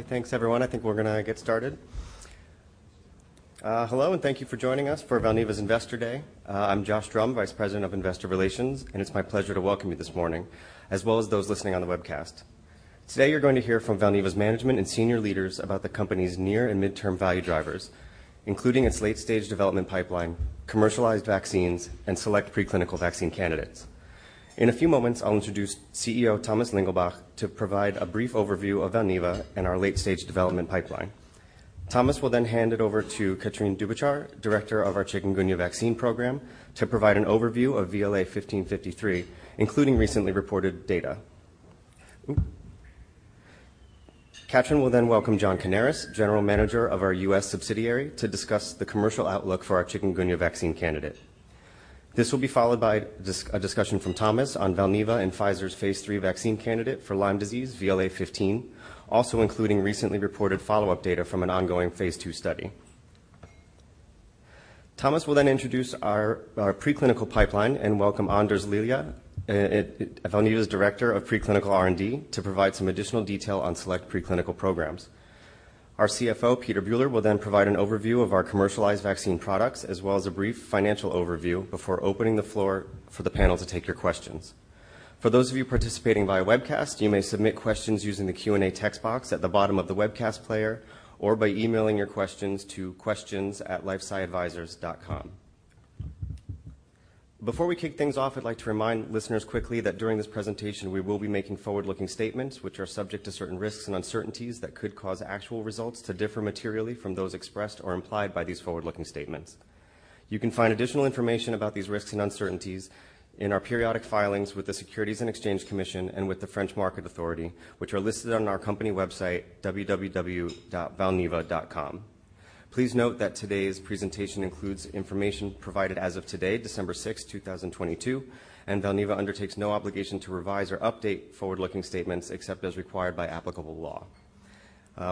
Okay, thanks everyone. I think we're gonna get started. Hello, thank you for joining us for Valneva's Investor Day. I'm Joshua Drumm, Vice President of Investor Relations, it's my pleasure to welcome you this morning, as well as those listening on the webcast. Today you're going to hear from Valneva's management and senior leaders about the company's near and midterm value drivers, including its late-stage development pipeline, commercialized vaccines, and select preclinical vaccine candidates. In a few moments, I'll introduce CEO Thomas Lingelbach to provide a brief overview of Valneva and our late-stage development pipeline. Thomas will hand it over to Katrin Dubischar, Director of our Chikungunya Vaccine Program, to provide an overview of VLA1553, including recently reported data. Ooh. Katrin will welcome John Kanaras, General Manager of our U.S. subsidiary, to discuss the commercial outlook for our Chikungunya Vaccine candidate. This will be followed by a discussion from Thomas on Valneva and Pfizer's phase III vaccine candidate for Lyme disease, VLA15, also including recently reported follow-up data from an ongoing phase II study. Thomas will introduce our preclinical pipeline and welcome Anders Lilja, Valneva's Director of Preclinical R&D, to provide some additional detail on select preclinical programs. Our CFO, Peter Buhler, will then provide an overview of our commercialized vaccine products as well as a brief financial overview before opening the floor for the panel to take your questions. For those of you participating via webcast, you may submit questions using the Q&A text box at the bottom of the webcast player or by emailing your questions to questions@lifesciadvisors.com. Before we kick things off, I'd like to remind listeners quickly that during this presentation we will be making forward-looking statements, which are subject to certain risks and uncertainties that could cause actual results to differ materially from those expressed or implied by these forward-looking statements. You can find additional information about these risks and uncertainties in our periodic filings with the Securities and Exchange Commission and with the French Financial Markets Authority, which are listed on our company website, www.valneva.com. Please note that today's presentation includes information provided as of today, December 6th, 2022, and Valneva undertakes no obligation to revise or update forward-looking statements except as required by applicable law.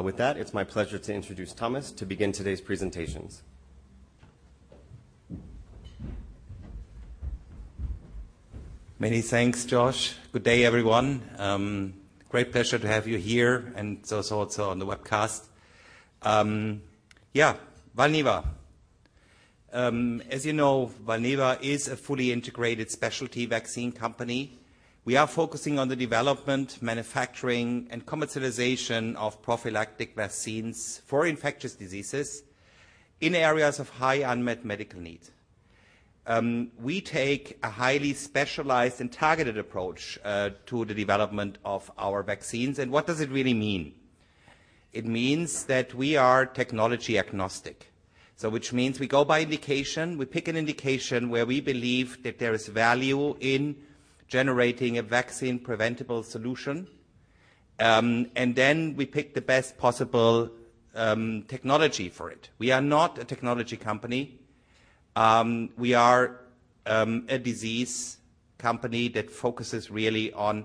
With that, it's my pleasure to introduce Thomas to begin today's presentations. Many thanks, Josh. Good day, everyone. Great pleasure to have you here and those also on the webcast. Valneva. As you know, Valneva is a fully integrated specialty vaccine company. We are focusing on the development, manufacturing, and commercialization of prophylactic vaccines for infectious diseases in areas of high unmet medical need. We take a highly specialized and targeted approach to the development of our vaccines. What does it really mean? It means that we are technology agnostic. Which means we go by indication. We pick an indication where we believe that there is value in generating a vaccine-preventable solution, and then we pick the best possible technology for it. We are not a technology company. We are a disease company that focuses really on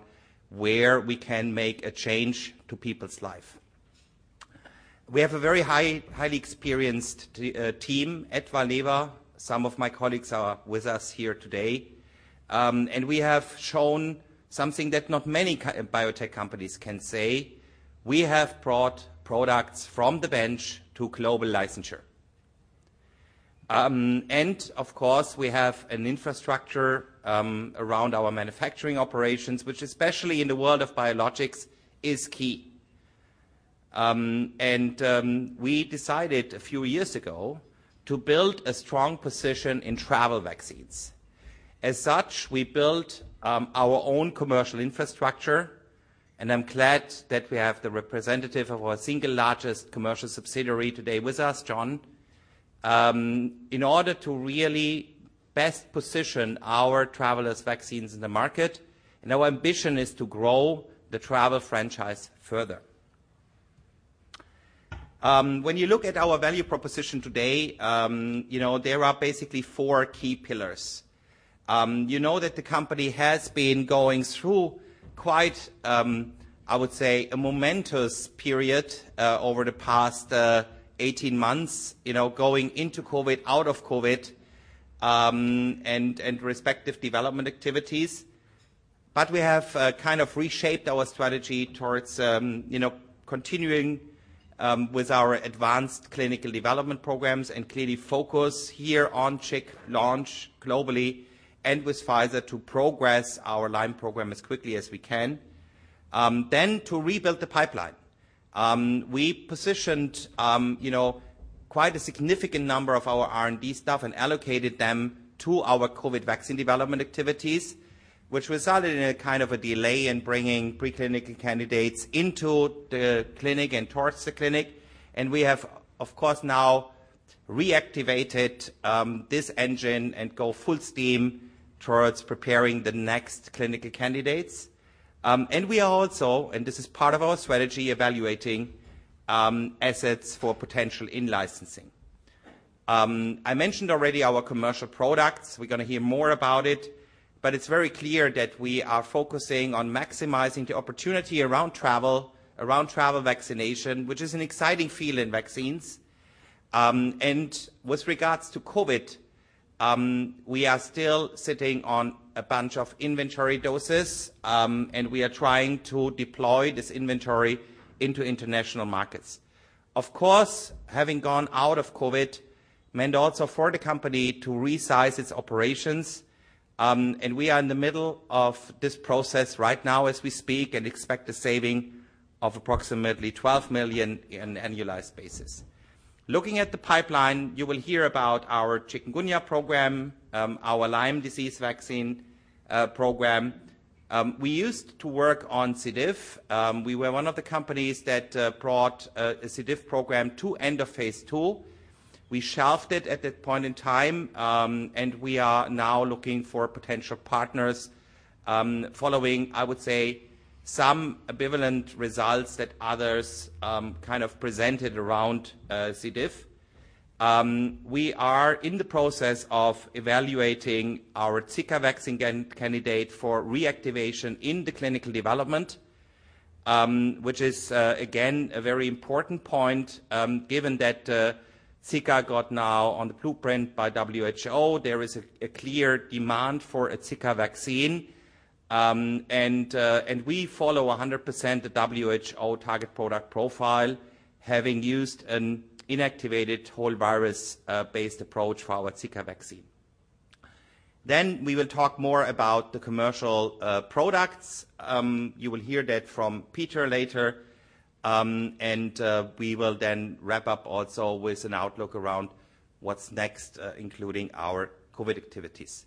where we can make a change to people's life. We have a very high, highly experienced team at Valneva. Some of my colleagues are with us here today. We have shown something that not many biotech companies can say. We have brought products from the bench to global licensure. Of course, we have an infrastructure around our manufacturing operations, which especially in the world of biologics is key. We decided a few years ago to build a strong position in travel vaccines. As such, we built our own commercial infrastructure. I'm glad that we have the representative of our single largest commercial subsidiary today with us, John, in order to really best position our travelers vaccines in the market. Our ambition is to grow the travel franchise further. When you look at our value proposition today, you know, there are basically four key pillars. You know that the company has been going through quite, I would say, a momentous period over the past 18 months, you know, going into COVID, out of COVID, and respective development activities. We have kind of reshaped our strategy towards, you know, continuing with our advanced clinical development programs and clearly focus here on chik launch globally and with Pfizer to progress our Lyme program as quickly as we can. To rebuild the pipeline. We positioned, you know, quite a significant number of our R&D staff and allocated them to our COVID vaccine development activities, which resulted in a kind of a delay in bringing preclinical candidates into the clinic and towards the clinic. We have, of course, now reactivated this engine and go full steam towards preparing the next clinical candidates. We are also, and this is part of our strategy, evaluating assets for potential in-licensing. I mentioned already our commercial products. We're gonna hear more about it, but it's very clear that we are focusing on maximizing the opportunity around travel, around travel vaccination, which is an exciting field in vaccines. With regards to COVID, we are still sitting on a bunch of inventory doses, and we are trying to deploy this inventory into international markets. Of course, having gone out of COVID meant also for the company to resize its operations, and we are in the middle of this process right now as we speak, and expect a saving of approximately 12 million in annualized basis. Looking at the pipeline, you will hear about our chikungunya program, our Lyme disease vaccine program. We used to work on Clostridioides difficile. We were one of the companies that brought a Clostridioides difficile program to end of phase II. We shelved it at that point in time, and we are now looking for potential partners following, I would say, some ambivalent results that others kind of presented around Clostridioides difficile. We are in the process of evaluating our Zika vaccine candidate for reactivation in the clinical development, which is again, a very important point, given that Zika got now on the blueprint by WHO. There is a clear demand for a Zika vaccine. We follow 100% the WHO target product profile, having used an inactivated whole virus based approach for our Zika vaccine. We will talk more about the commercial products. You will hear that from Peter later. We will then wrap up also with an outlook around what's next, including our COVID activities.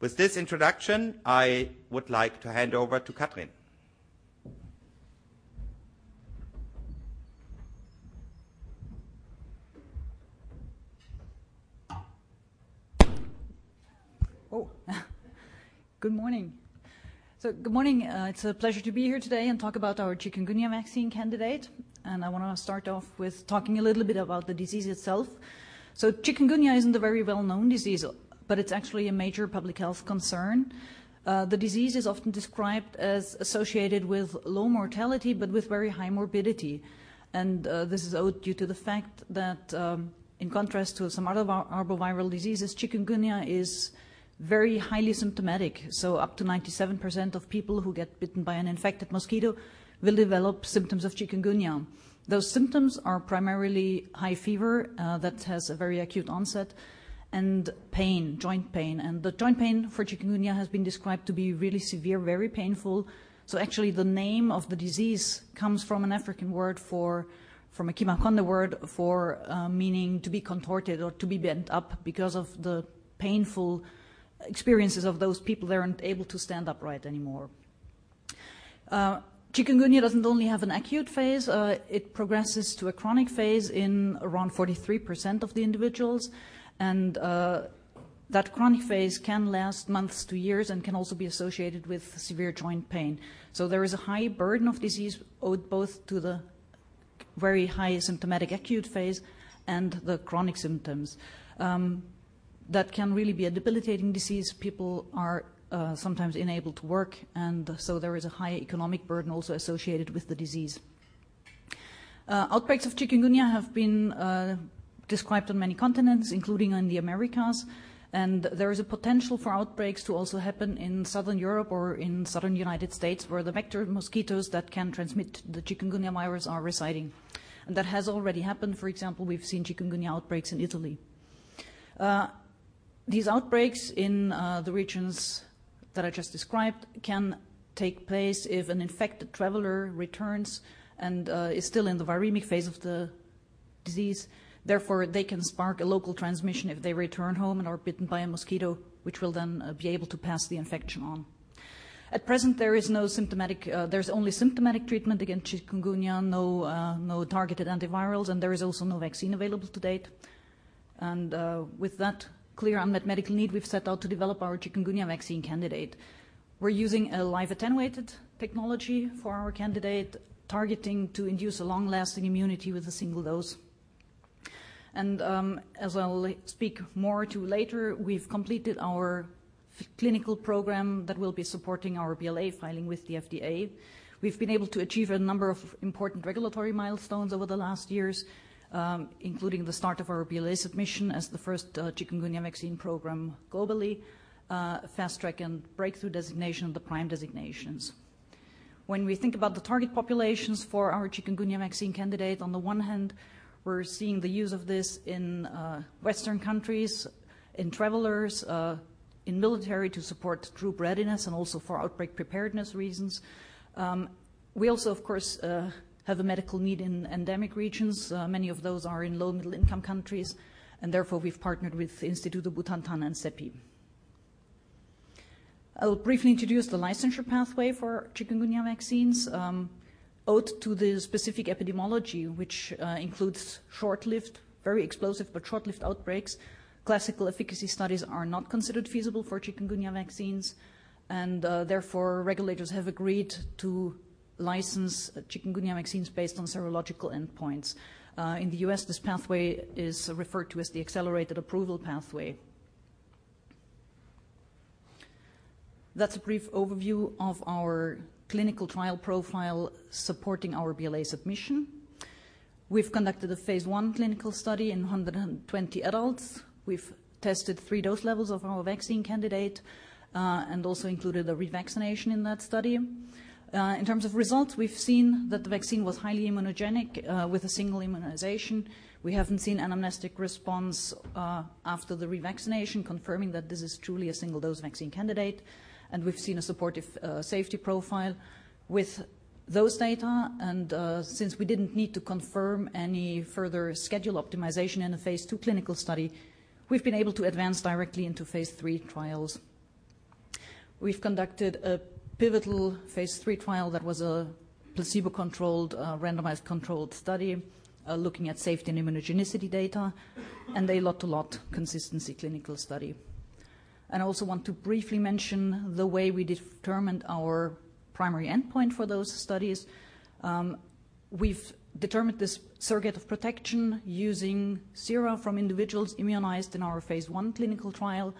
With this introduction, I would like to hand over to Katrin. Good morning. Good morning. It's a pleasure to be here today and talk about our chikungunya vaccine candidate, I wanna start off with talking a little bit about the disease itself. Chikungunya isn't a very well-known disease, but it's actually a major public health concern. The disease is often described as associated with low mortality, but with very high morbidity. This is owed due to the fact that, in contrast to some other arboviral diseases, chikungunya is very highly symptomatic, up to 97% of people who get bitten by an infected mosquito will develop symptoms of chikungunya. Those symptoms are primarily high fever, that has a very acute onset and pain, joint pain. The joint pain for chikungunya has been described to be really severe, very painful. Actually, the name of the disease comes from an African word for, from a Kimakonde word for, meaning to be contorted or to be bent up because of the painful experiences of those people. They aren't able to stand upright anymore. Chikungunya doesn't only have an acute phase. It progresses to a chronic phase in around 43% of the individuals and that chronic phase can last months to years and can also be associated with severe joint pain. There is a high burden of disease owed both to the very high symptomatic acute phase and the chronic symptoms. That can really be a debilitating disease. People are sometimes unable to work, and so there is a high economic burden also associated with the disease. Outbreaks of chikungunya have been described on many continents, including on the Americas, and there is a potential for outbreaks to also happen in Southern Europe or in Southern United States, where the vector mosquitoes that can transmit the chikungunya virus are residing. That has already happened. For example, we've seen chikungunya outbreaks in Italy. These outbreaks in the regions that I just described can take place if an infected traveler returns and is still in the viremic phase of the disease. Therefore, they can spark a local transmission if they return home and are bitten by a mosquito, which will then be able to pass the infection on. At present, there's only symptomatic treatment against chikungunya, no targeted antivirals, and there is also no vaccine available to date. With that clear unmet medical need, we've set out to develop our chikungunya vaccine candidate. We're using a live attenuated technology for our candidate, targeting to induce a long-lasting immunity with a single dose. As I'll speak more to later, we've completed our clinical program that will be supporting our BLA filing with the FDA. We've been able to achieve a number of important regulatory milestones over the last years, including the start of our BLA submission as the first chikungunya vaccine program globally, Fast Track and Breakthrough Designation, the PRIME designations. When we think about the target populations for our chikungunya vaccine candidate, on the one hand, we're seeing the use of this in Western countries, in travelers, in military to support troop readiness and also for outbreak preparedness reasons. We also, of course, have a medical need in endemic regions. Many of those are in low, middle-income countries, therefore, we've partnered with Instituto Butantan and CEPI. I'll briefly introduce the licensure pathway for chikungunya vaccines. Owed to the specific epidemiology, which includes short-lived, very explosive, but short-lived outbreaks, classical efficacy studies are not considered feasible for chikungunya vaccines, and therefore, regulators have agreed to license chikungunya vaccines based on serological endpoints. In the U.S., this pathway is referred to as the accelerated approval pathway. That's a brief overview of our clinical trial profile supporting our BLA submission. We've conducted a phase I clinical study in 120 adults. We've tested three dose levels of our vaccine candidate, and also included a revaccination in that study. In terms of results, we've seen that the vaccine was highly immunogenic with a single immunization. We haven't seen an anamnestic response after the revaccination, confirming that this is truly a single-dose vaccine candidate. We've seen a supportive safety profile with those data and since we didn't need to confirm any further schedule optimization in a phase II clinical study, we've been able to advance directly into phase III trials. We've conducted a pivotal phase III trial that was a placebo-controlled, randomized controlled study looking at safety and immunogenicity data and a lot-to-lot consistency clinical study. I also want to briefly mention the way we determined our primary endpoint for those studies. We've determined this surrogate of protection using sera from individuals immunized in our phase I clinical trial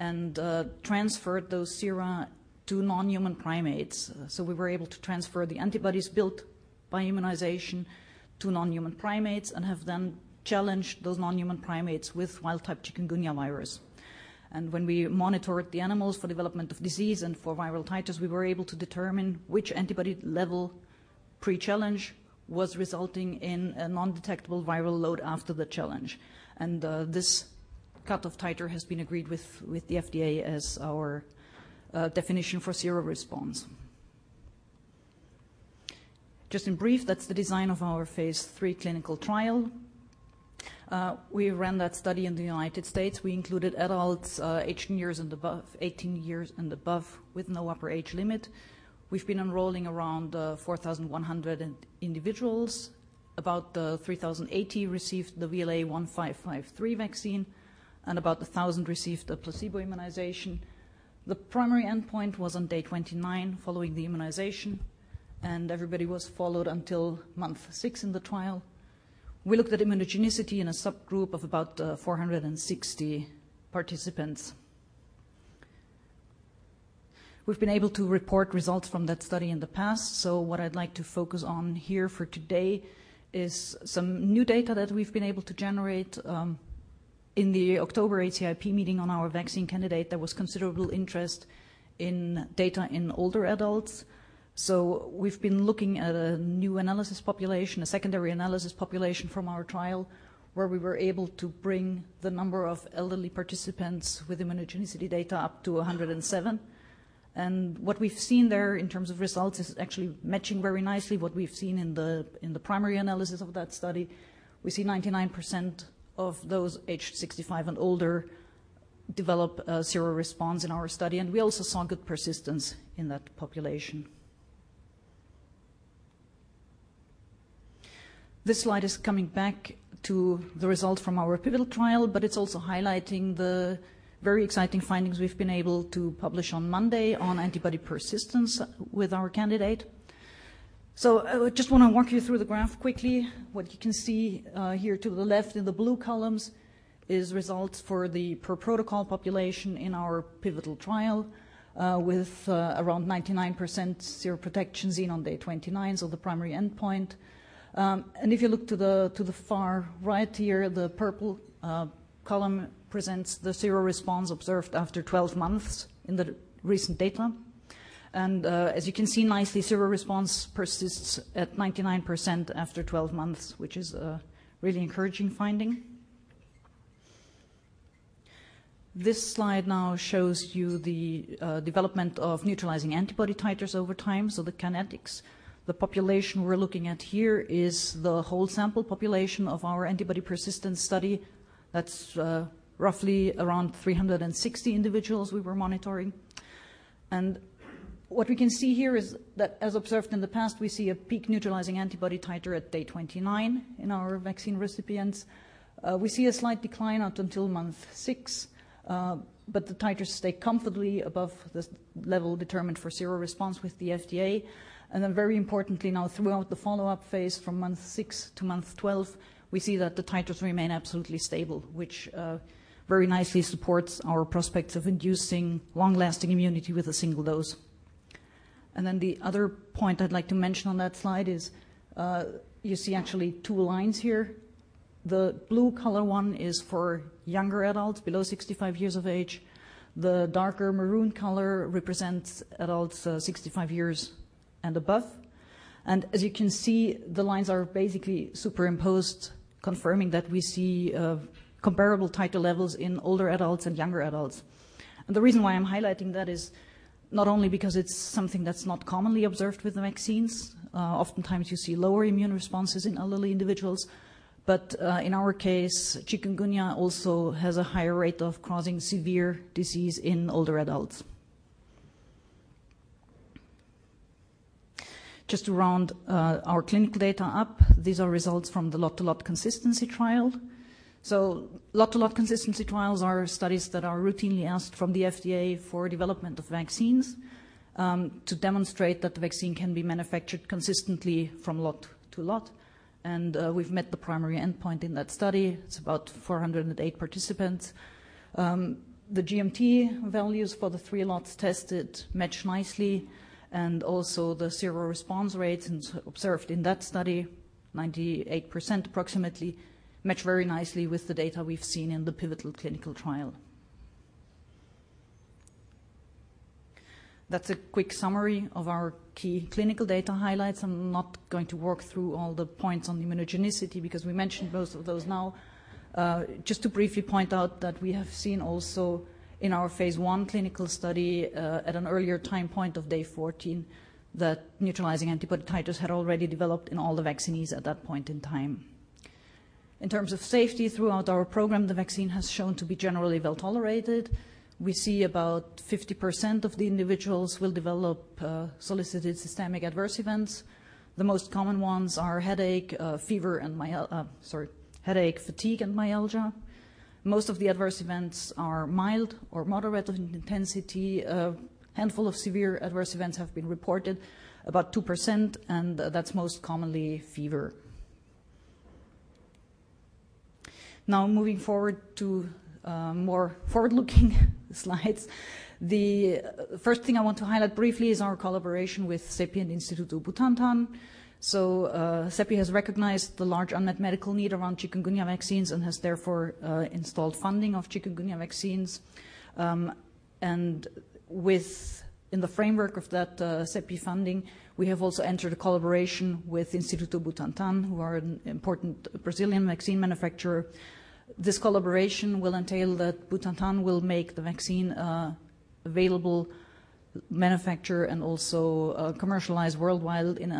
and transferred those sera to non-human primates. We were able to transfer the antibodies built by immunization to non-human primates and have then challenged those non-human primates with wild-type chikungunya virus. When we monitored the animals for development of disease and for viral titers, we were able to determine which antibody level pre-challenge was resulting in a non-detectable viral load after the challenge. This cutoff titer has been agreed with the FDA as our definition for seroresponse. Just in brief, that's the design of our phase III clinical trial. We ran that study in the United States. We included adults, 18 years and above with no upper age limit. We've been enrolling around 4,100 individuals. About 3,080 received the VLA1553 vaccine, and about 1,000 received a placebo immunization. The primary endpoint was on day 29 following the immunization. Everybody was followed until month six in the trial. We looked at immunogenicity in a subgroup of about 460 participants. We've been able to report results from that study in the past. What I'd like to focus on here for today is some new data that we've been able to generate in the October ACIP meeting on our vaccine candidate. There was considerable interest in data in older adults. We've been looking at a new analysis population, a secondary analysis population from our trial, where we were able to bring the number of elderly participants with immunogenicity data up to 107. What we've seen there in terms of results is actually matching very nicely what we've seen in the primary analysis of that study. We see 99% of those aged 65 and older develop a seroresponse in our study, and we also saw good persistence in that population. This slide is coming back to the results from our pivotal trial, but it's also highlighting the very exciting findings we've been able to publish on Monday on antibody persistence with our candidate. I just wanna walk you through the graph quickly. What you can see here to the left in the blue columns is results for the per protocol population in our pivotal trial, with around 99% seroresponse seen on day 29, so the primary endpoint. And if you look to the far right here, the purple column presents the seroresponse observed after 12 months in the recent data. As you can see nicely, seroresponse persists at 99% after 12 months, which is a really encouraging finding. This slide now shows you the development of neutralizing antibody titers over time, so the kinetics. The population we're looking at here is the whole sample population of our antibody persistence study. That's roughly around 360 individuals we were monitoring. What we can see here is that, as observed in the past, we see a peak neutralizing antibody titer at day 29 in our vaccine recipients. We see a slight decline up until month six, but the titers stay comfortably above this level determined for seroresponse with the FDA. Very importantly now, throughout the follow-up phase from month six to month 12, we see that the titers remain absolutely stable, which very nicely supports our prospects of inducing long-lasting immunity with a single dose. The other point I'd like to mention on that slide is, you see actually two lines here. The blue color one is for younger adults below 65 years of age. The darker maroon color represents adults 65 years and above. As you can see, the lines are basically superimposed, confirming that we see comparable titer levels in older adults and younger adults. The reason why I'm highlighting that is not only because it's something that's not commonly observed with the vaccines, oftentimes you see lower immune responses in elderly individuals, but in our case, chikungunya also has a higher rate of causing severe disease in older adults. Just to round our clinical data up, these are results from the lot-to-lot consistency trial. Lot-to-lot consistency trials are studies that are routinely asked from the FDA for development of vaccines. To demonstrate that the vaccine can be manufactured consistently from lot to lot, and we've met the primary endpoint in that study. It's about 408 participants. The GMT values for the three lots tested match nicely and also the seroresponse rates observed in that study, 98% approximately, match very nicely with the data we've seen in the pivotal clinical trial. That's a quick summary of our key clinical data highlights. I'm not going to work through all the points on immunogenicity because we mentioned most of those now. Just to briefly point out that we have seen also in our phase I clinical study, at an earlier time point of day 14, that neutralizing antibody titers had already developed in all the vaccinees at that point in time. In terms of safety throughout our program, the vaccine has shown to be generally well-tolerated. We see about 50% of the individuals will develop solicited systemic adverse events. The most common ones are headache, fatigue, and myalgia. Most of the adverse events are mild or moderate in intensity. A handful of severe adverse events have been reported, about 2%, and that's most commonly fever. Moving forward to more forward-looking slides. The first thing I want to highlight briefly is our collaboration with CEPI and Instituto Butantan. CEPI has recognized the large unmet medical need around chikungunya vaccines and has therefore installed funding of chikungunya vaccines. In the framework of that CEPI funding, we have also entered a collaboration with Instituto Butantan, who are an important Brazilian vaccine manufacturer. This collaboration will entail that Butantan will make the vaccine available, manufacture, and also commercialize worldwide in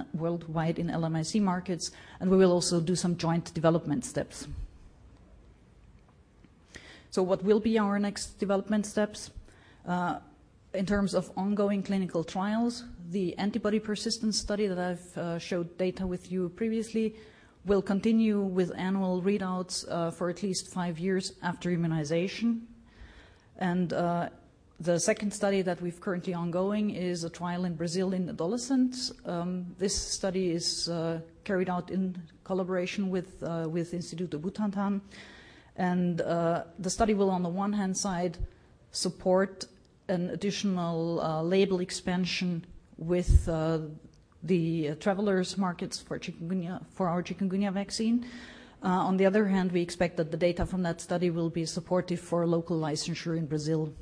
LMIC markets, and we will also do some joint development steps. What will be our next development steps? In terms of ongoing clinical trials, the antibody persistence study that I've showed data with you previously will continue with annual readouts for at least five years after immunization. The second study that we've currently ongoing is a trial in Brazil in adolescents. This study is carried out in collaboration with Instituto Butantan. The study will on the one-hand side, support an additional label expansion with the travelers markets for chikungunya, for our chikungunya vaccine. On the other hand, we expect that the data from that study will be supportive for local licensure in Brazil.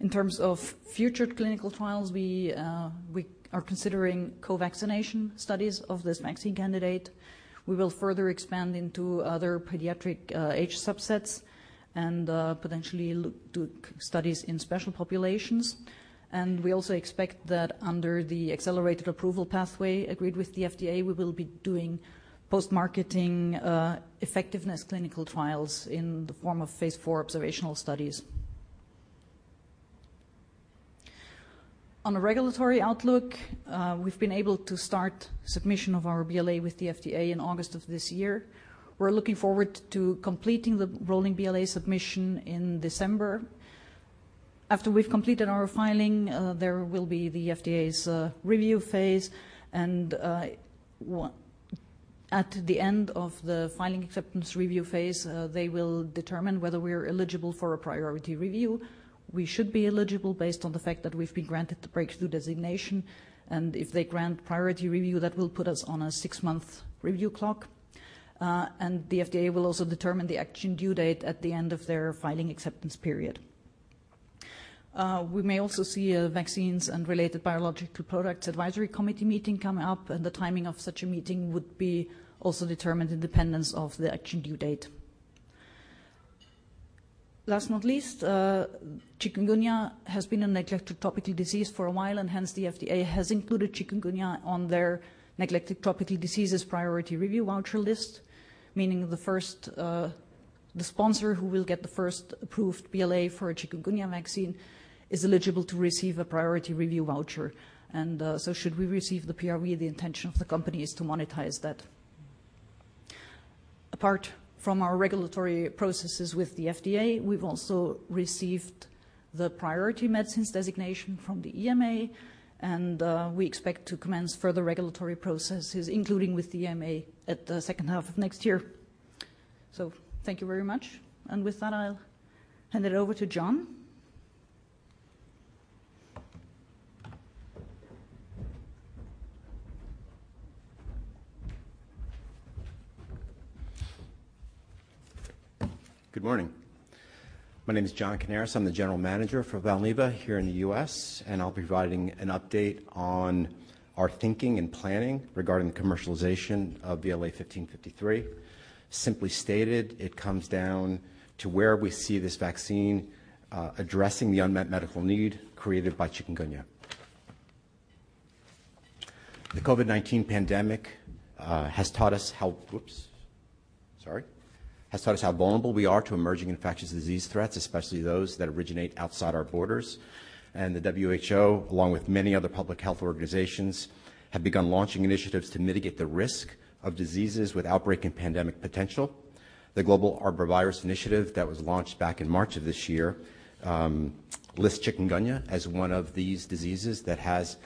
In terms of future clinical trials, we are considering co-vaccination studies of this vaccine candidate. We will further expand into other pediatric age subsets and potentially look to studies in special populations. We also expect that under the Accelerated Approval pathway agreed with the FDA, we will be doing post-marketing effectiveness clinical trials in the form of phase IV observational studies. On a regulatory outlook, we've been able to start submission of our BLA with the FDA in August of this year. We're looking forward to completing the rolling BLA submission in December. After we've completed our filing, there will be the FDA's review phase and, at the end of the filing acceptance review phase, they will determine whether we are eligible for a Priority Review. We should be eligible based on the fact that we've been granted the Breakthrough Designation, and if they grant Priority Review, that will put us on a six-month review clock. The FDA will also determine the action due date at the end of their filing acceptance period. We may also see a Vaccines and Related Biological Products Advisory Committee meeting come up, and the timing of such a meeting would be also determined in dependence of the action due date. Last not least, chikungunya has been a neglected tropical disease for a while, and hence the FDA has included chikungunya on their neglected tropical diseases Priority Review Voucher list, meaning the first, the sponsor who will get the first approved BLA for a chikungunya vaccine is eligible to receive a Priority Review Voucher. Should we receive the PRV, the intention of the company is to monetize that. Apart from our regulatory processes with the FDA, we've also received the Priority Medicines designation from the EMA, we expect to commence further regulatory processes, including with the EMA at the second half of next year. So thank you very much. With that, I'll hand it over to John. Good morning. My name is John Kanaras, I'm the General Manager for Valneva here in the U.S., I'll be providing an update on our thinking and planning regarding the commercialization of VLA1553. Simply stated, it comes down to where we see this vaccine addressing the unmet medical need created by chikungunya. The COVID-19 pandemic has taught us how. Whoops. Sorry, has taught us how vulnerable we are to emerging infectious disease threats, especially those that originate outside our borders. The WHO, along with many other public health organizations, have begun launching initiatives to mitigate the risk of diseases with outbreak and pandemic potential. The Global Arbovirus Initiative that was launched back in March of this year, lists chikungunya as one of these diseases that has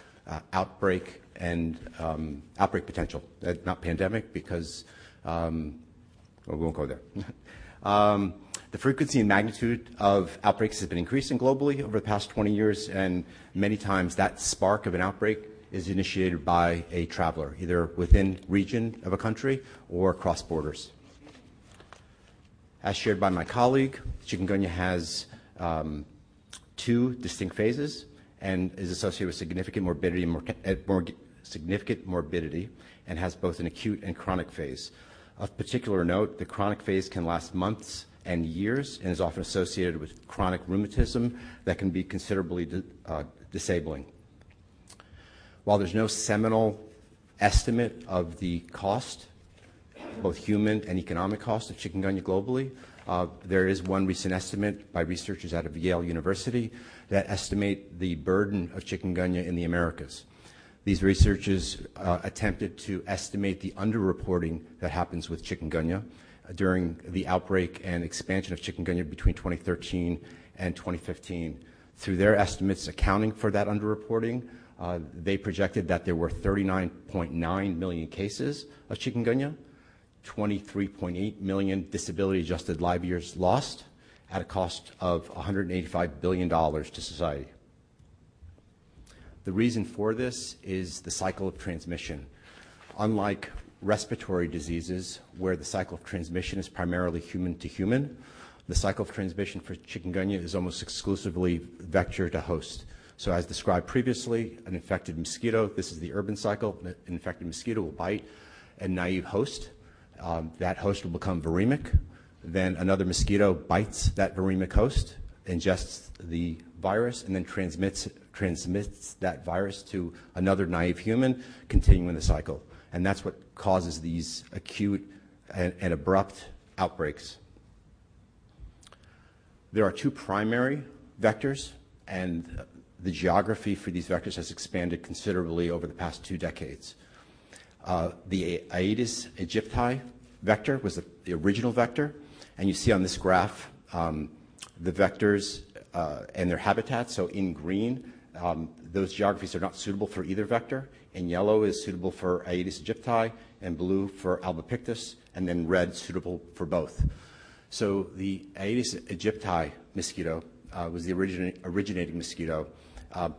outbreak and outbreak potential, not pandemic, because... Well, we won't go there. The frequency and magnitude of outbreaks has been increasing globally over the past 20 years, and many times that spark of an outbreak is initiated by a traveler, either within region of a country or across borders. As shared by my colleague, chikungunya has two distinct phases and is associated with significant morbidity and has both an acute and chronic phase. Of particular note, the chronic phase can last months and years and is often associated with chronic rheumatism that can be considerably disabling. While there's no seminal estimate of the cost, both human and economic cost of chikungunya globally, there is one recent estimate by researchers out of Yale University that estimate the burden of chikungunya in the Americas. These researchers attempted to estimate the underreporting that happens with chikungunya during the outbreak and expansion of chikungunya between 2013 and 2015. Through their estimates accounting for that underreporting, they projected that there were 39.9 million cases of chikungunya, 23.8 million disability-adjusted life years lost at a cost of EUR 185 billion to society. The reason for this is the cycle of transmission. Unlike respiratory diseases, where the cycle of transmission is primarily human to human, the cycle of transmission for chikungunya is almost exclusively vector to host. As described previously, an infected mosquito, this is the urban cycle, an infected mosquito will bite a naive host. That host will become viremic. Another mosquito bites that viremic host, ingests the virus, and then transmits that virus to another naive human, continuing the cycle. That's what causes these acute and abrupt outbreaks. There are two primary vectors, and the geography for these vectors has expanded considerably over the past two decades. The Aedes aegypti vector was the original vector. You see on this graph, the vectors and their habitat. In green, those geographies are not suitable for either vector. In yellow is suitable for Aedes aegypti, in blue for albopictus, and then red suitable for both. The Aedes aegypti mosquito was the originating mosquito,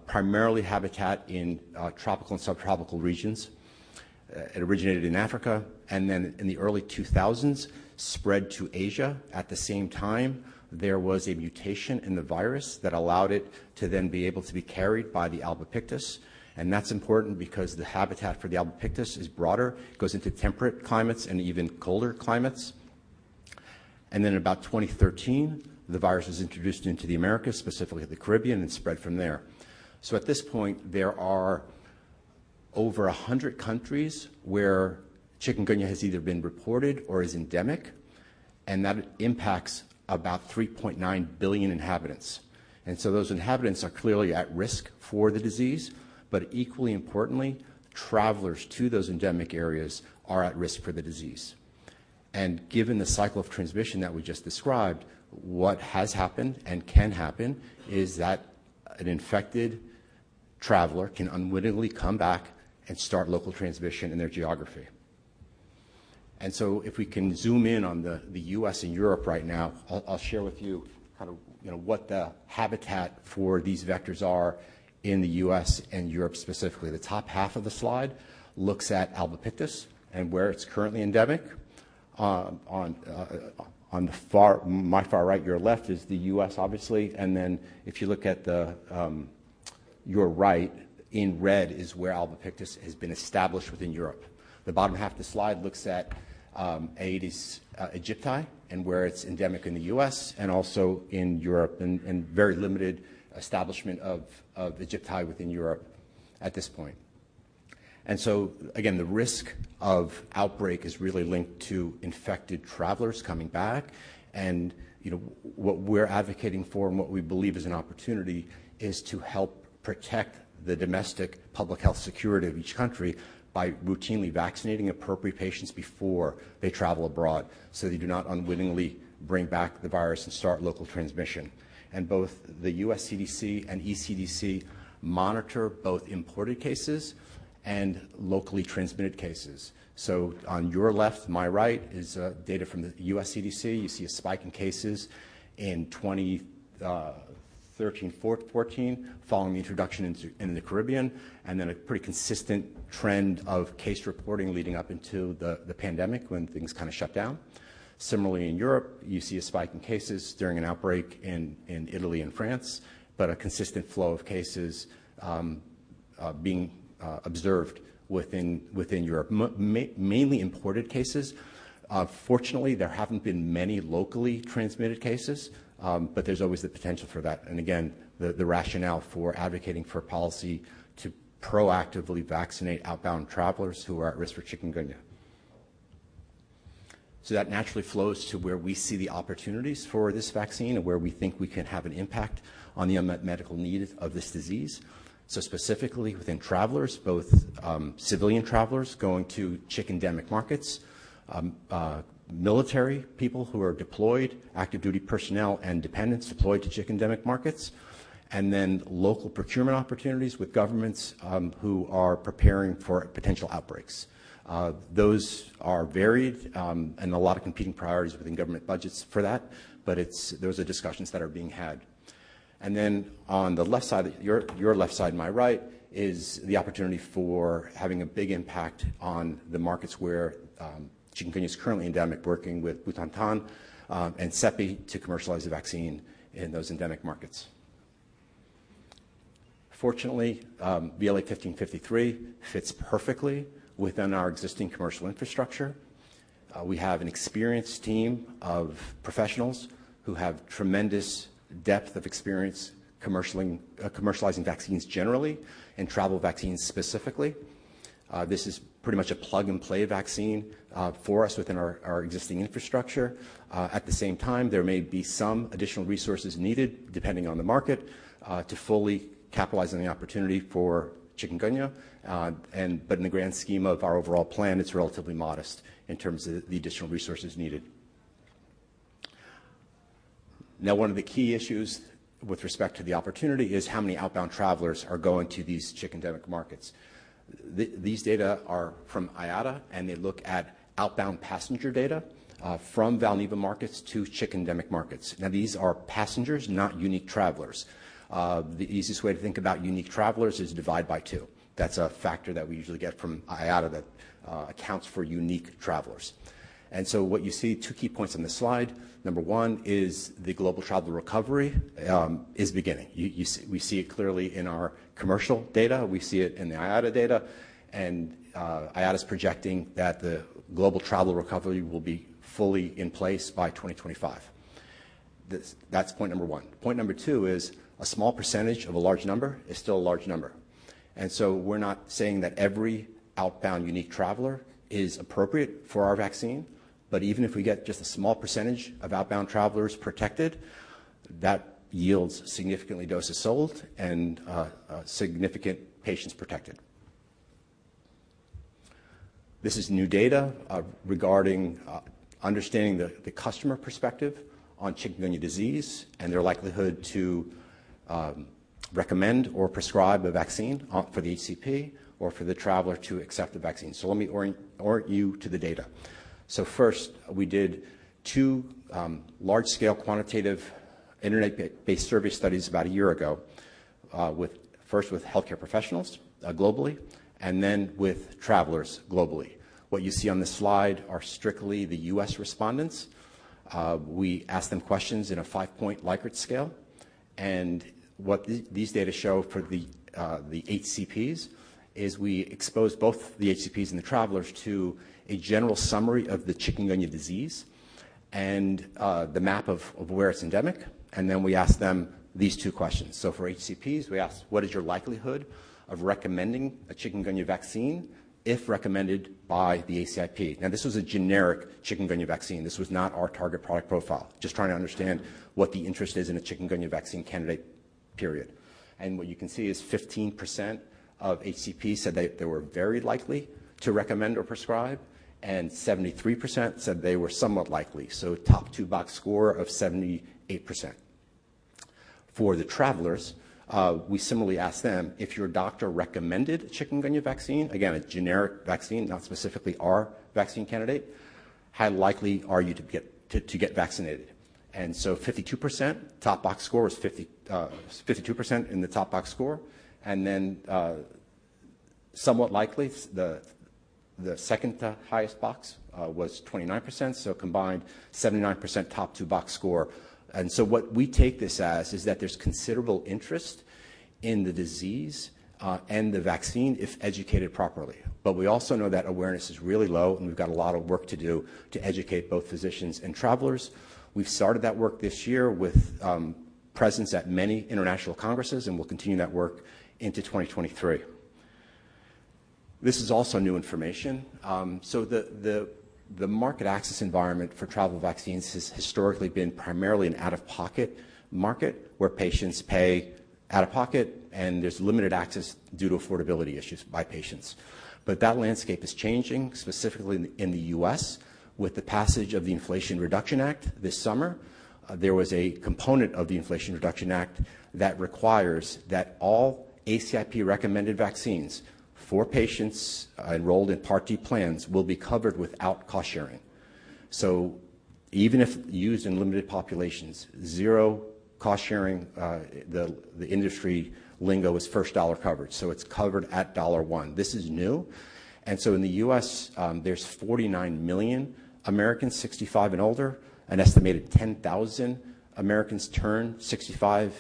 primarily habitat in tropical and subtropical regions. It originated in Africa, and then in the early 2000s spread to Asia. At the same time, there was a mutation in the virus that allowed it to then be able to be carried by the albopictus, and that's important because the habitat for the albopictus is broader, goes into temperate climates and even colder climates. About 2013, the virus was introduced into the Americas, specifically the Caribbean, and spread from there. At this point, there are over 100 countries where chikungunya has either been reported or is endemic, and that impacts about 3.9 billion inhabitants. Those inhabitants are clearly at risk for the disease, but equally importantly, travelers to those endemic areas are at risk for the disease. Given the cycle of transmission that we just described, what has happened and can happen is that an infected traveler can unwittingly come back and start local transmission in their geography. If we can zoom in on the U.S. and Europe right now, I'll share with you kind of, you know, what the habitat for these vectors are in the U.S. and Europe specifically. The top half of the slide looks at albopictus and where it's currently endemic. On my far right, your left is the U.S. obviously, if you look at the, your right in red is where albopictus has been established within Europe. The bottom half of the slide looks at Aedes aegypti and where it's endemic in the U.S. and also in Europe, and very limited establishment of aegypti within Europe at this point. Again, the risk of outbreak is really linked to infected travelers coming back. You know, what we're advocating for and what we believe is an opportunity is to help protect the domestic public health security of each country by routinely vaccinating appropriate patients before they travel abroad, so they do not unwittingly bring back the virus and start local transmission. Both the U.S. CDC and ECDC monitor both imported cases and locally transmitted cases. On your left, my right, is data from the U.S. CDC. You see a spike in cases in 2013, 2014 following the introduction into, in the Caribbean, and then a pretty consistent trend of case reporting leading up into the pandemic when things kind of shut down. Similarly, in Europe, you see a spike in cases during an outbreak in Italy and France, but a consistent flow of cases being observed within Europe. Mainly imported cases. Fortunately, there haven't been many locally transmitted cases, there's always the potential for that. Again, the rationale for advocating for policy to proactively vaccinate outbound travelers who are at risk for chikungunya. That naturally flows to where we see the opportunities for this vaccine and where we think we can have an impact on the medical need of this disease. Specifically within travelers, both civilian travelers going to chik endemic markets, military people who are deployed, active duty personnel and dependents deployed to chik endemic markets, and then local procurement opportunities with governments who are preparing for potential outbreaks. Those are varied and a lot of competing priorities within government budgets for that, those are discussions that are being had. On the left side, your left side, my right, is the opportunity for having a big impact on the markets where chikungunya is currently endemic, working with Instituto Butantan and CEPI to commercialize the vaccine in those endemic markets. Fortunately, VLA1553 fits perfectly within our existing commercial infrastructure. We have an experienced team of professionals who have tremendous depth of experience commercializing vaccines generally and travel vaccines specifically. This is pretty much a plug-and-play vaccine for us within our existing infrastructure. At the same time, there may be some additional resources needed depending on the market to fully capitalize on the opportunity for Chikungunya. In the grand scheme of our overall plan, it's relatively modest in terms of the additional resources needed. One of the key issues with respect to the opportunity is how many outbound travelers are going to these chik endemic markets. These data are from IATA, and they look at outbound passenger data from Valneva markets to chik endemic markets. Now, these are passengers, not unique travelers. The easiest way to think about unique travelers is divide by two. That's a factor that we usually get from IATA that accounts for unique travelers. What you see, two key points on this slide. Number one is the global travel recovery is beginning. We see it clearly in our commercial data. We see it in the IATA data. IATA is projecting that the global travel recovery will be fully in place by 2025. That's point number one. Point number two is a small percentage of a large number is still a large number. We're not saying that every outbound unique traveler is appropriate for our vaccine. Even if we get just a small percentage of outbound travelers protected, that yields significantly doses sold and significant patients protected. This is new data regarding understanding the customer perspective on chikungunya disease and their likelihood to recommend or prescribe a vaccine for the HCP or for the traveler to accept the vaccine. Let me orient you to the data. First, we did two large-scale quantitative internet-based survey studies about a year ago, first with healthcare professionals globally and then with travelers globally. What you see on this slide are strictly the U.S. respondents. We asked them questions in a five-point Likert scale. What these data show for the HCPs is we exposed both the HCPs and the travelers to a general summary of the chikungunya disease and the map of where it's endemic. Then we asked them these two questions. For HCPs, we asked, what is your likelihood of recommending a chikungunya vaccine if recommended by the ACIP? This was a generic chikungunya vaccine. This was not our target product profile. Just trying to understand what the interest is in a chikungunya vaccine candidate, period. What you can see is 15% of HCPs said they were very likely to recommend or prescribe, and 73% said they were somewhat likely. Top two box score of 78%. For the travelers, we similarly asked them, if your doctor recommended a chikungunya vaccine, again, a generic vaccine, not specifically our vaccine candidate, how likely are you to get vaccinated? 52%, top box score is 52% in the top box score. Somewhat likely, the second highest box was 29%. Combined 79% top two box score. What we take this as is that there's considerable interest in the disease and the vaccine if educated properly. We also know that awareness is really low, and we've got a lot of work to do to educate both physicians and travelers. We've started that work this year with presence at many international congresses, and we'll continue that work into 2023. This is also new information. The market access environment for travel vaccines has historically been primarily an out-of-pocket market where patients pay out of pocket and there's limited access due to affordability issues by patients. That landscape is changing specifically in the U.S. with the passage of the Inflation Reduction Act this summer. There was a component of the Inflation Reduction Act that requires that all ACIP-recommended vaccines for patients enrolled in Part D plans will be covered without cost-sharing. Even if used in limited populations, zero cost-sharing, the industry lingo is first dollar coverage. It's covered at $1. This is new. In the U.S., there's 49 million Americans 65 and older. An estimated 10,000 Americans turn 65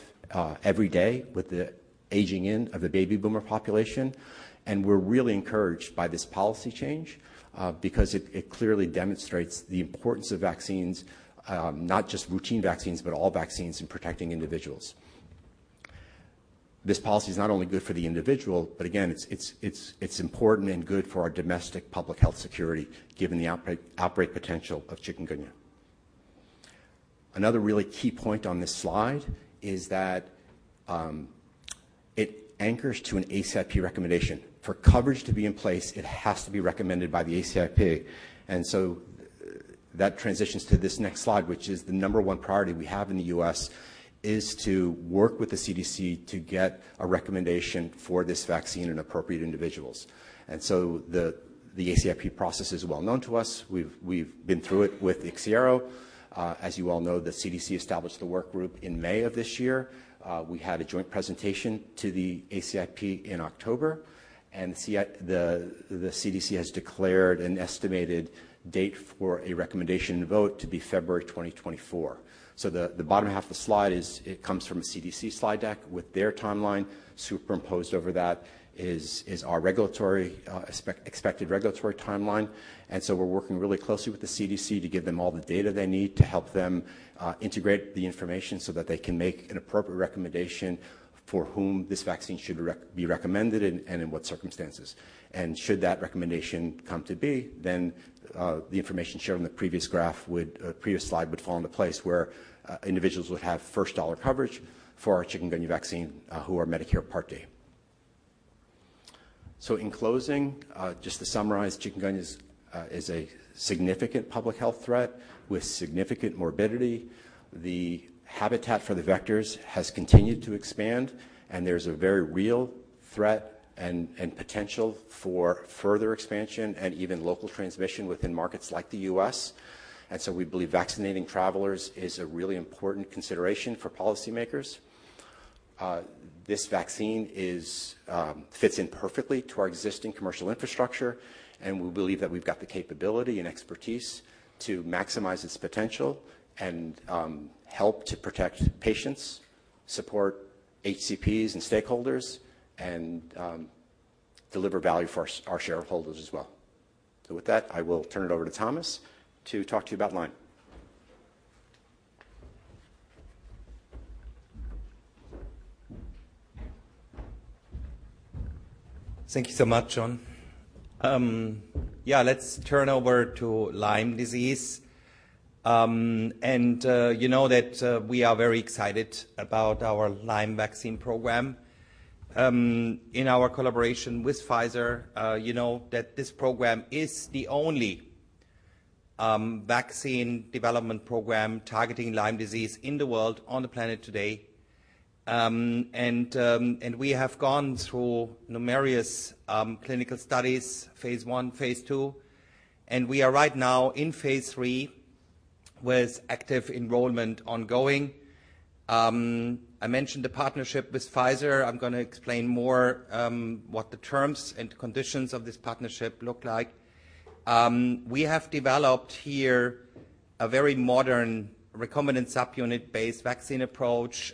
every day with the aging in of the baby boomer population. We're really encouraged by this policy change because it clearly demonstrates the importance of vaccines, not just routine vaccines, but all vaccines in protecting individuals. This policy is not only good for the individual, but again, it's important and good for our domestic public health security given the outbreak potential of chikungunya. Another really key point on this slide is that it anchors to an ACIP recommendation. For coverage to be in place, it has to be recommended by the ACIP. That transitions to this next slide, which is the number one priority we have in the U.S., is to work with the CDC to get a recommendation for this vaccine in appropriate individuals. The ACIP process is well known to us. We've, we've been through it with IXIARO. As you all know, the CDC established the work group in May of this year. We had a joint presentation to the ACIP in October, and the CDC has declared an estimated date for a recommendation vote to be February 2024. The bottom half of the slide it comes from a CDC slide deck with their timeline. Superimposed over that is our expected regulatory timeline. We're working really closely with the CDC to give them all the data they need to help them integrate the information so that they can make an appropriate recommendation for whom this vaccine should be recommended and in what circumstances. Should that recommendation come to be, then the information shown on the previous slide would fall into place where individuals would have first-dollar coverage for our chikungunya vaccine who are Medicare Part D. In closing, just to summarize, chikungunya is a significant public health threat with significant morbidity. The habitat for the vectors has continued to expand, and there's a very real threat and potential for further expansion and even local transmission within markets like the U.S. We believe vaccinating travelers is a really important consideration for policymakers. This vaccine is fits in perfectly to our existing commercial infrastructure. We believe that we've got the capability and expertise to maximize its potential and help to protect patients, support HCPs and stakeholders, and deliver value for our shareholders as well. With that, I will turn it over to Thomas to talk to you about Lyme. Thank you so much, John. Yeah, let's turn over to Lyme disease. You know that we are very excited about our Lyme vaccine program. In our collaboration with Pfizer, you know that this program is the only vaccine development program targeting Lyme disease in the world on the planet today. We have gone through numerous clinical studies, phase I, phase II, and we are right now in phase III with active enrollment ongoing. I mentioned the partnership with Pfizer. I'm going to explain more what the terms and conditions of this partnership look like. We have developed here a very modern recombinant subunit-based vaccine approach,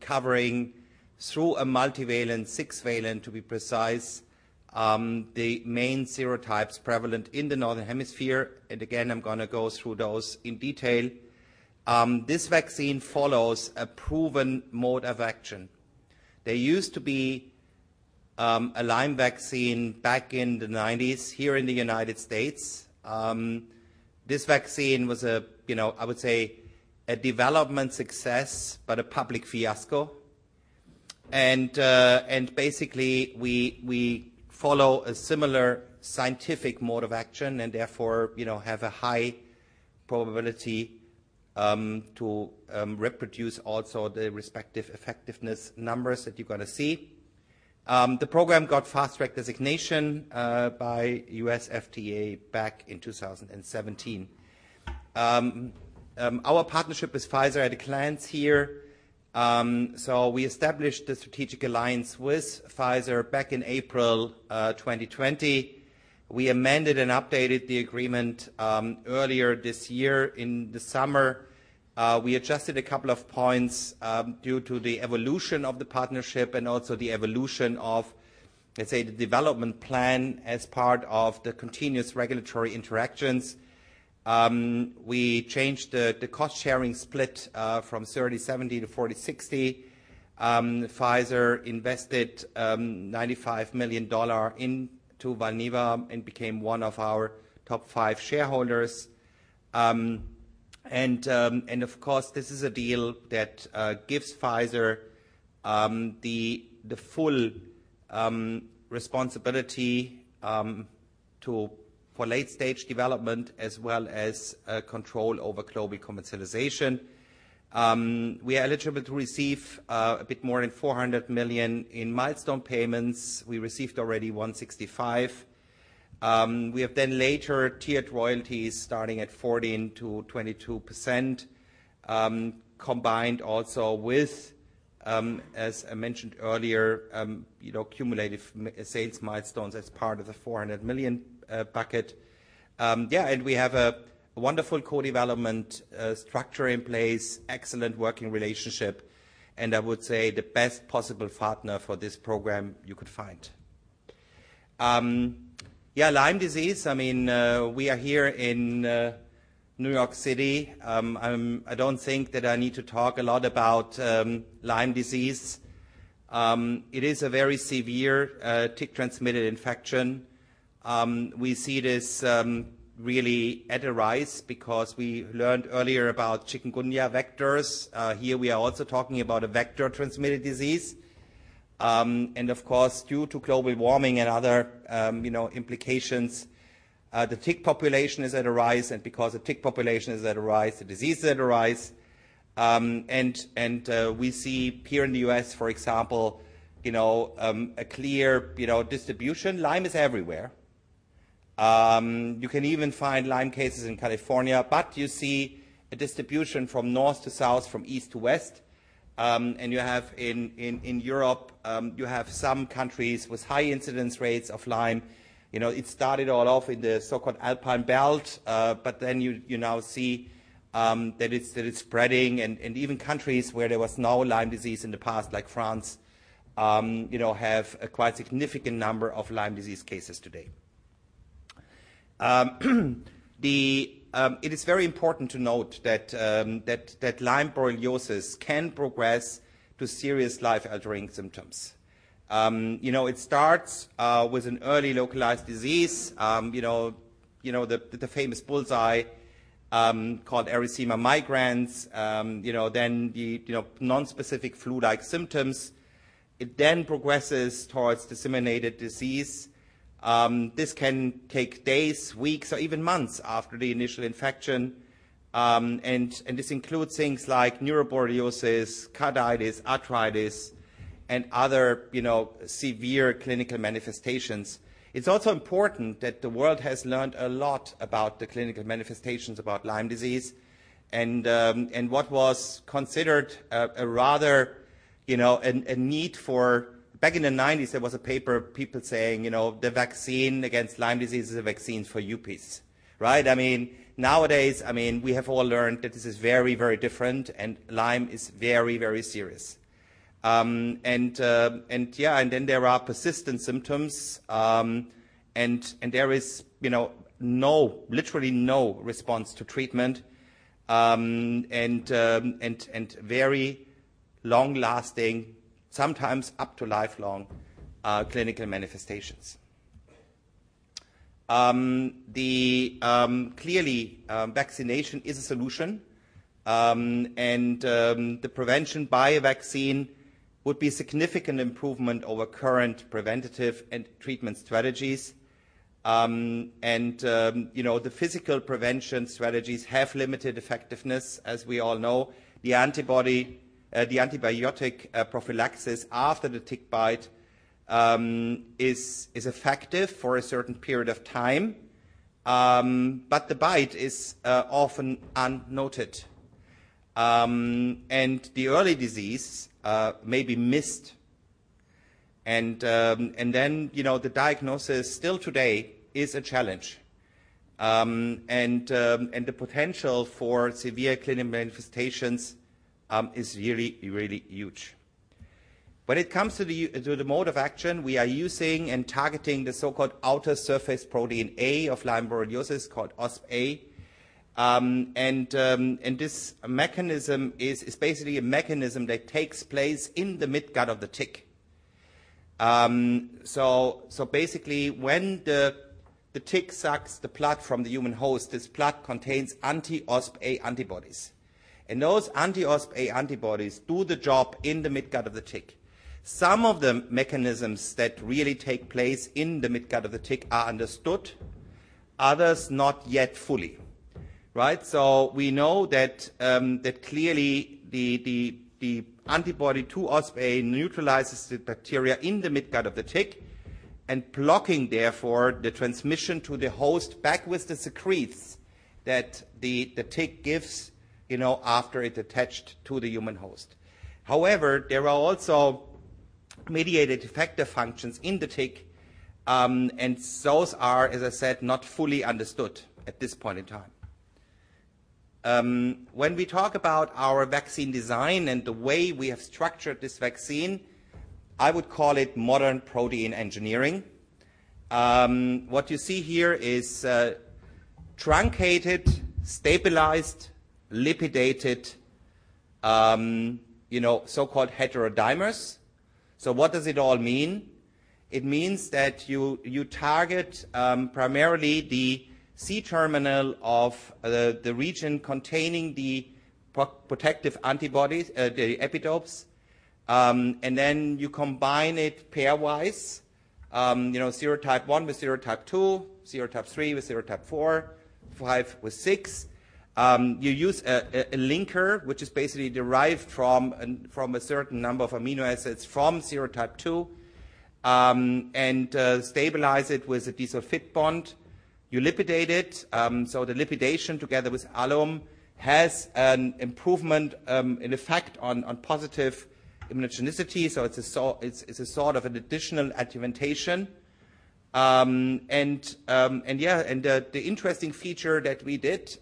covering through a multivalent, six-valent to be precise, the main serotypes prevalent in the northern hemisphere. Again, I'm going to go through those in detail. This vaccine follows a proven mode of action. There used to be a Lyme vaccine back in the 90s here in the United States. This vaccine was a, you know, I would say a development success, but a public fiasco. Basically, we follow a similar scientific mode of action and therefore, you know, have a high probability to reproduce also the respective effectiveness numbers that you're going to see. The program got Fast Track designation by FDA back in 2017. Our partnership with Pfizer at a glance here. We established a strategic alliance with Pfizer back in April 2020. We amended and updated the agreement earlier this year in the summer. We adjusted a couple of points due to the evolution of the partnership and also the evolution of, let's say, the development plan as part of the continuous regulatory interactions. We changed the cost-sharing split from 30/70 to 40/60. Pfizer invested EUR 95 million into Valneva and became one of our top five shareholders. Of course, this is a deal that gives Pfizer the full responsibility for late-stage development as well as control over global commercialization. We are eligible to receive a bit more than 400 million in milestone payments. We received already 165 million. We have later tiered royalties starting at 14%-22%, combined also with, as I mentioned earlier, you know, cumulative sales milestones as part of the 400 million bucket. We have a wonderful co-development structure in place, excellent working relationship, and I would say the best possible partner for this program you could find. Lyme disease, I mean, we are here in New York City. I don't think that I need to talk a lot about Lyme disease. It is a very severe, tick-transmitted infection. We see this really at a rise because we learned earlier about chikungunya vectors. Here we are also talking about a vector-transmitted disease. Of course, due to global warming and other, you know, implications, the tick population is at a rise, and because the tick population is at a rise, the disease is at a rise. We see here in the U.S., for example, you know, a clear, you know, distribution. Lyme is everywhere. You can even find Lyme cases in California, but you see a distribution from north to south, from east to west. You have in Europe, you have some countries with high incidence rates of Lyme. You know, it started all off in the so-called Alpine belt, you now see that it's spreading and even countries where there was no Lyme disease in the past, like France, you know, have a quite significant number of Lyme disease cases today. It is very important to note that Lyme borreliosis can progress to serious life-altering symptoms. You know, it starts with an early localized disease, you know, the famous bull's-eye, called erythema migrans, then the nonspecific flu-like symptoms. It then progresses towards disseminated disease. This can take days, weeks, or even months after the initial infection, and this includes things like neuroborreliosis, carditis, arthritis, and other, you know, severe clinical manifestations. It's also important that the world has learned a lot about the clinical manifestations about Lyme disease and what was considered a rather, you know, a need for. Back in the nineties, there was a paper, people saying, you know, the vaccine against Lyme disease is a vaccine for yuppies, right? I mean, nowadays, I mean, we have all learned that this is very, very different, and Lyme is very, very serious. Yeah, and then there are persistent symptoms, and there is, you know, no, literally no response to treatment, and very long-lasting, sometimes up to lifelong clinical manifestations. The clearly vaccination is a solution, and the prevention by a vaccine would be a significant improvement over current preventative and treatment strategies. You know, the physical prevention strategies have limited effectiveness, as we all know. The antibody, the antibiotic prophylaxis after the tick bite is effective for a certain period of time, but the bite is often unnoted. The early disease may be missed and, you know, the diagnosis still today is a challenge. The potential for severe clinical manifestations is really huge. When it comes to the mode of action, we are using and targeting the so-called outer surface protein A of Lyme borreliosis, called OspA. This mechanism is basically a mechanism that takes place in the midgut of the tick. Basically, when the tick sucks the blood from the human host, this blood contains anti-OspA antibodies, and those anti-OspA antibodies do the job in the midgut of the tick. Some of the mechanisms that really take place in the midgut of the tick are understood, others not yet fully, right? We know that clearly the antibody to OspA neutralizes the bacteria in the midgut of the tick and blocking therefore the transmission to the host back with the secretes that the tick gives, you know, after it attached to the human host. However, there are also mediated effector functions in the tick, and those are, as I said, not fully understood at this point in time. When we talk about our vaccine design and the way we have structured this vaccine, I would call it modern protein engineering. What you see here is truncated, stabilized, lipidated, you know, so-called heterodimers. What does it all mean? It means that you target primarily the C-terminal of the region containing the pro-protective antibodies, the epitopes, and then you combine it pairwise, you know, serotype one with serotype two, serotype three with serotype four, five with six. You use a linker, which is basically derived from a certain number of amino acids from serotype two, and stabilize it with a disulfide bond. You lipidate it, so the lipidation together with alum has an improvement, an effect on positive immunogenicity, so it's a sort of an additional adjuvantation. The interesting feature that we did,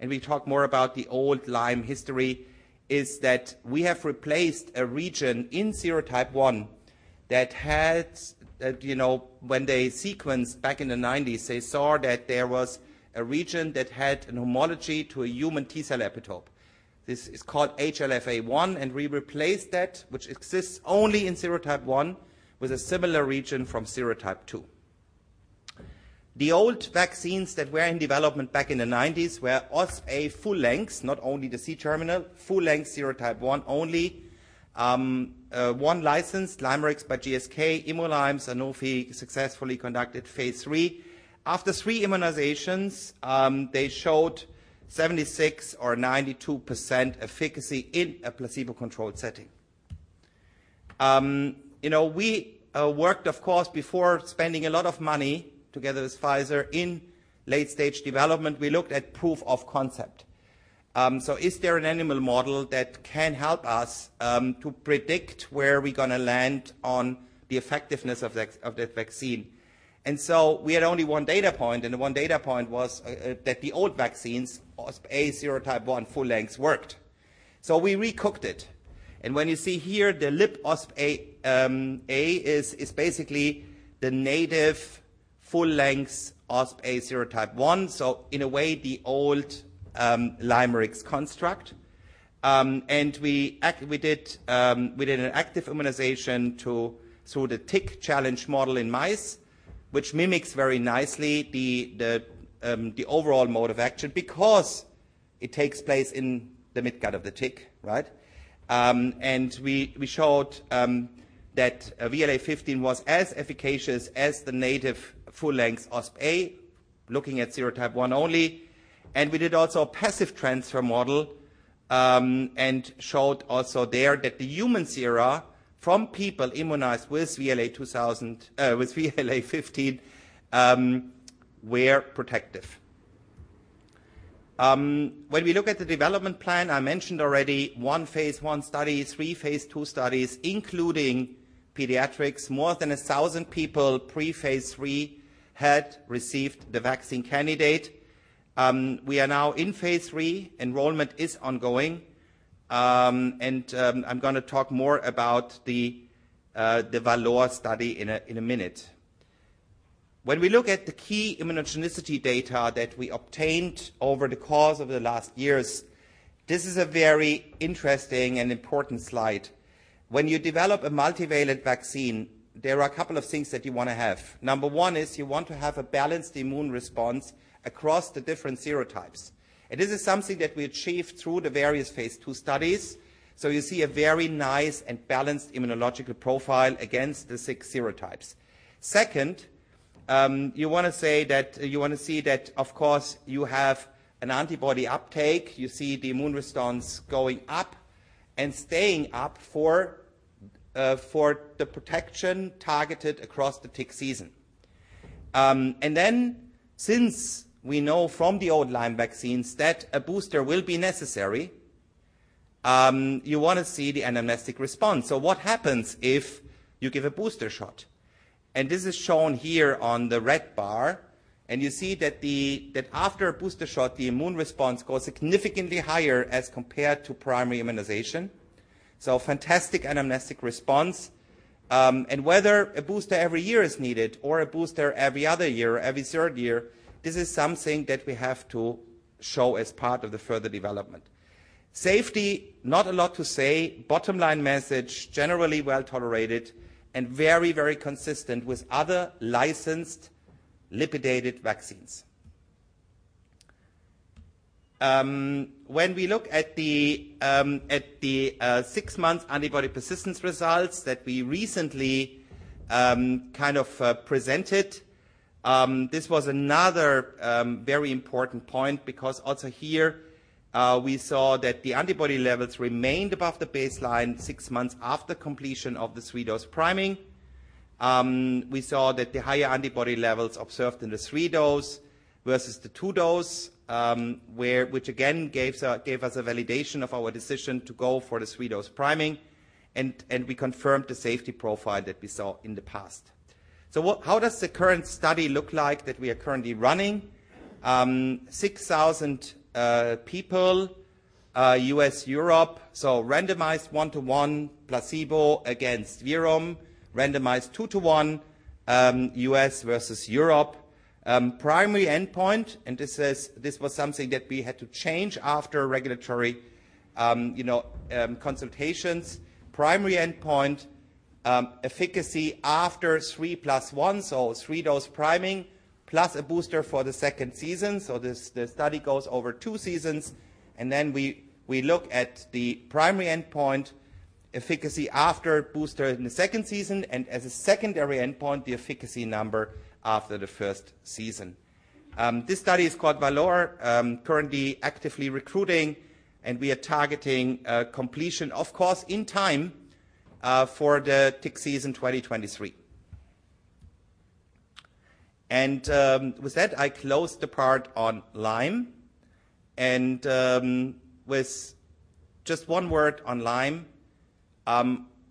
and we talk more about the old Lyme history, is that we have replaced a region in serotype 1 that had, you know, when they sequenced back in the 90s, they saw that there was a region that had an homology to a human T-cell epitope. This is called hLFA-1, and we replaced that, which exists only in serotype 1, with a similar region from serotype 2. The old vaccines that were in development back in the 90s were OspA full lengths, not only the C-terminal, full-length serotype 1 only. One licensed LYMErix by GSK, ImuLyme, Sanofi successfully conducted phase III. After three immunizations, they showed 76% or 92% efficacy in a placebo-controlled setting. You know, we worked, of course, before spending a lot of money together with Pfizer in late-stage development, we looked at proof of concept. Is there an animal model that can help us to predict where we're gonna land on the effectiveness of the vaccine? We had only one data point, and the one data point was that the old vaccines, OspA serotype 1 full lengths worked. We re-cooked it. When you see here, the lipOspA A is basically the native full-length OspA serotype 1, in a way, the old LYMErix construct. We did an active immunization through the tick challenge model in mice, which mimics very nicely the overall mode of action because it takes place in the midgut of the tick, right? We showed that VLA15 was as efficacious as the native full-length OspA, looking at serotype 1 only. We did also a passive transfer model, showed also there that the human sera from people immunized with VLA15 were protective. When we look at the development plan, I mentioned already one phase I study, three phase II studies, including pediatrics. More than 1,000 people pre-phase III had received the vaccine candidate. We are now in phase III, enrollment is ongoing. I'm gonna talk more about the VALOR study in a minute. When we look at the key immunogenicity data that we obtained over the course of the last years, this is a very interesting and important slide. When you develop a multivalent vaccine, there are a couple of things that you wanna have. Number one is you want to have a balanced immune response across the different serotypes. This is something that we achieved through the various phase II studies. You see a very nice and balanced immunological profile against the six serotypes. Second, you wanna see that, of course, you have an antibody uptake, you see the immune response going up and staying up for the protection targeted across the tick season. Since we know from the old Lyme vaccines that a booster will be necessary, you wanna see the anamnestic response. What happens if you give a booster shot? This is shown here on the red bar, and you see that after a booster shot, the immune response goes significantly higher as compared to primary immunization. Fantastic anamnestic response. Whether a booster every year is needed or a booster every other year or every third year, this is something that we have to show as part of the further development. Safety, not a lot to say. Bottom line message, generally well-tolerated and very, very consistent with other licensed lipidated vaccines. When we look at the at the six-month antibody persistence results that we recently kind of presented, this was another very important point because also here, we saw that the antibody levels remained above the baseline six months after completion of the three-dose priming. We saw that the higher antibody levels observed in the three-dose versus the two-dose, which again gave us a validation of our decision to go for the three-dose priming, and we confirmed the safety profile that we saw in the past. How does the current study look like that we are currently running? 6,000 people, U.S./Europe. Randomized 1-to-1 placebo against VIRUM, randomized 2-to-1 U.S. versus Europe. Primary endpoint, this was something that we had to change after regulatory, you know, consultations. Primary endpoint, efficacy after three plus one, so three-dose priming plus a booster for the second season. This, the study goes over two seasons, then we look at the primary endpoint efficacy after booster in the second season, and as a secondary endpoint, the efficacy number after the 1st season. This study is called VALOR, currently actively recruiting, we are targeting completion, of course, in time for the tick season 2023. With that, I close the part on Lyme. With just one word on Lyme,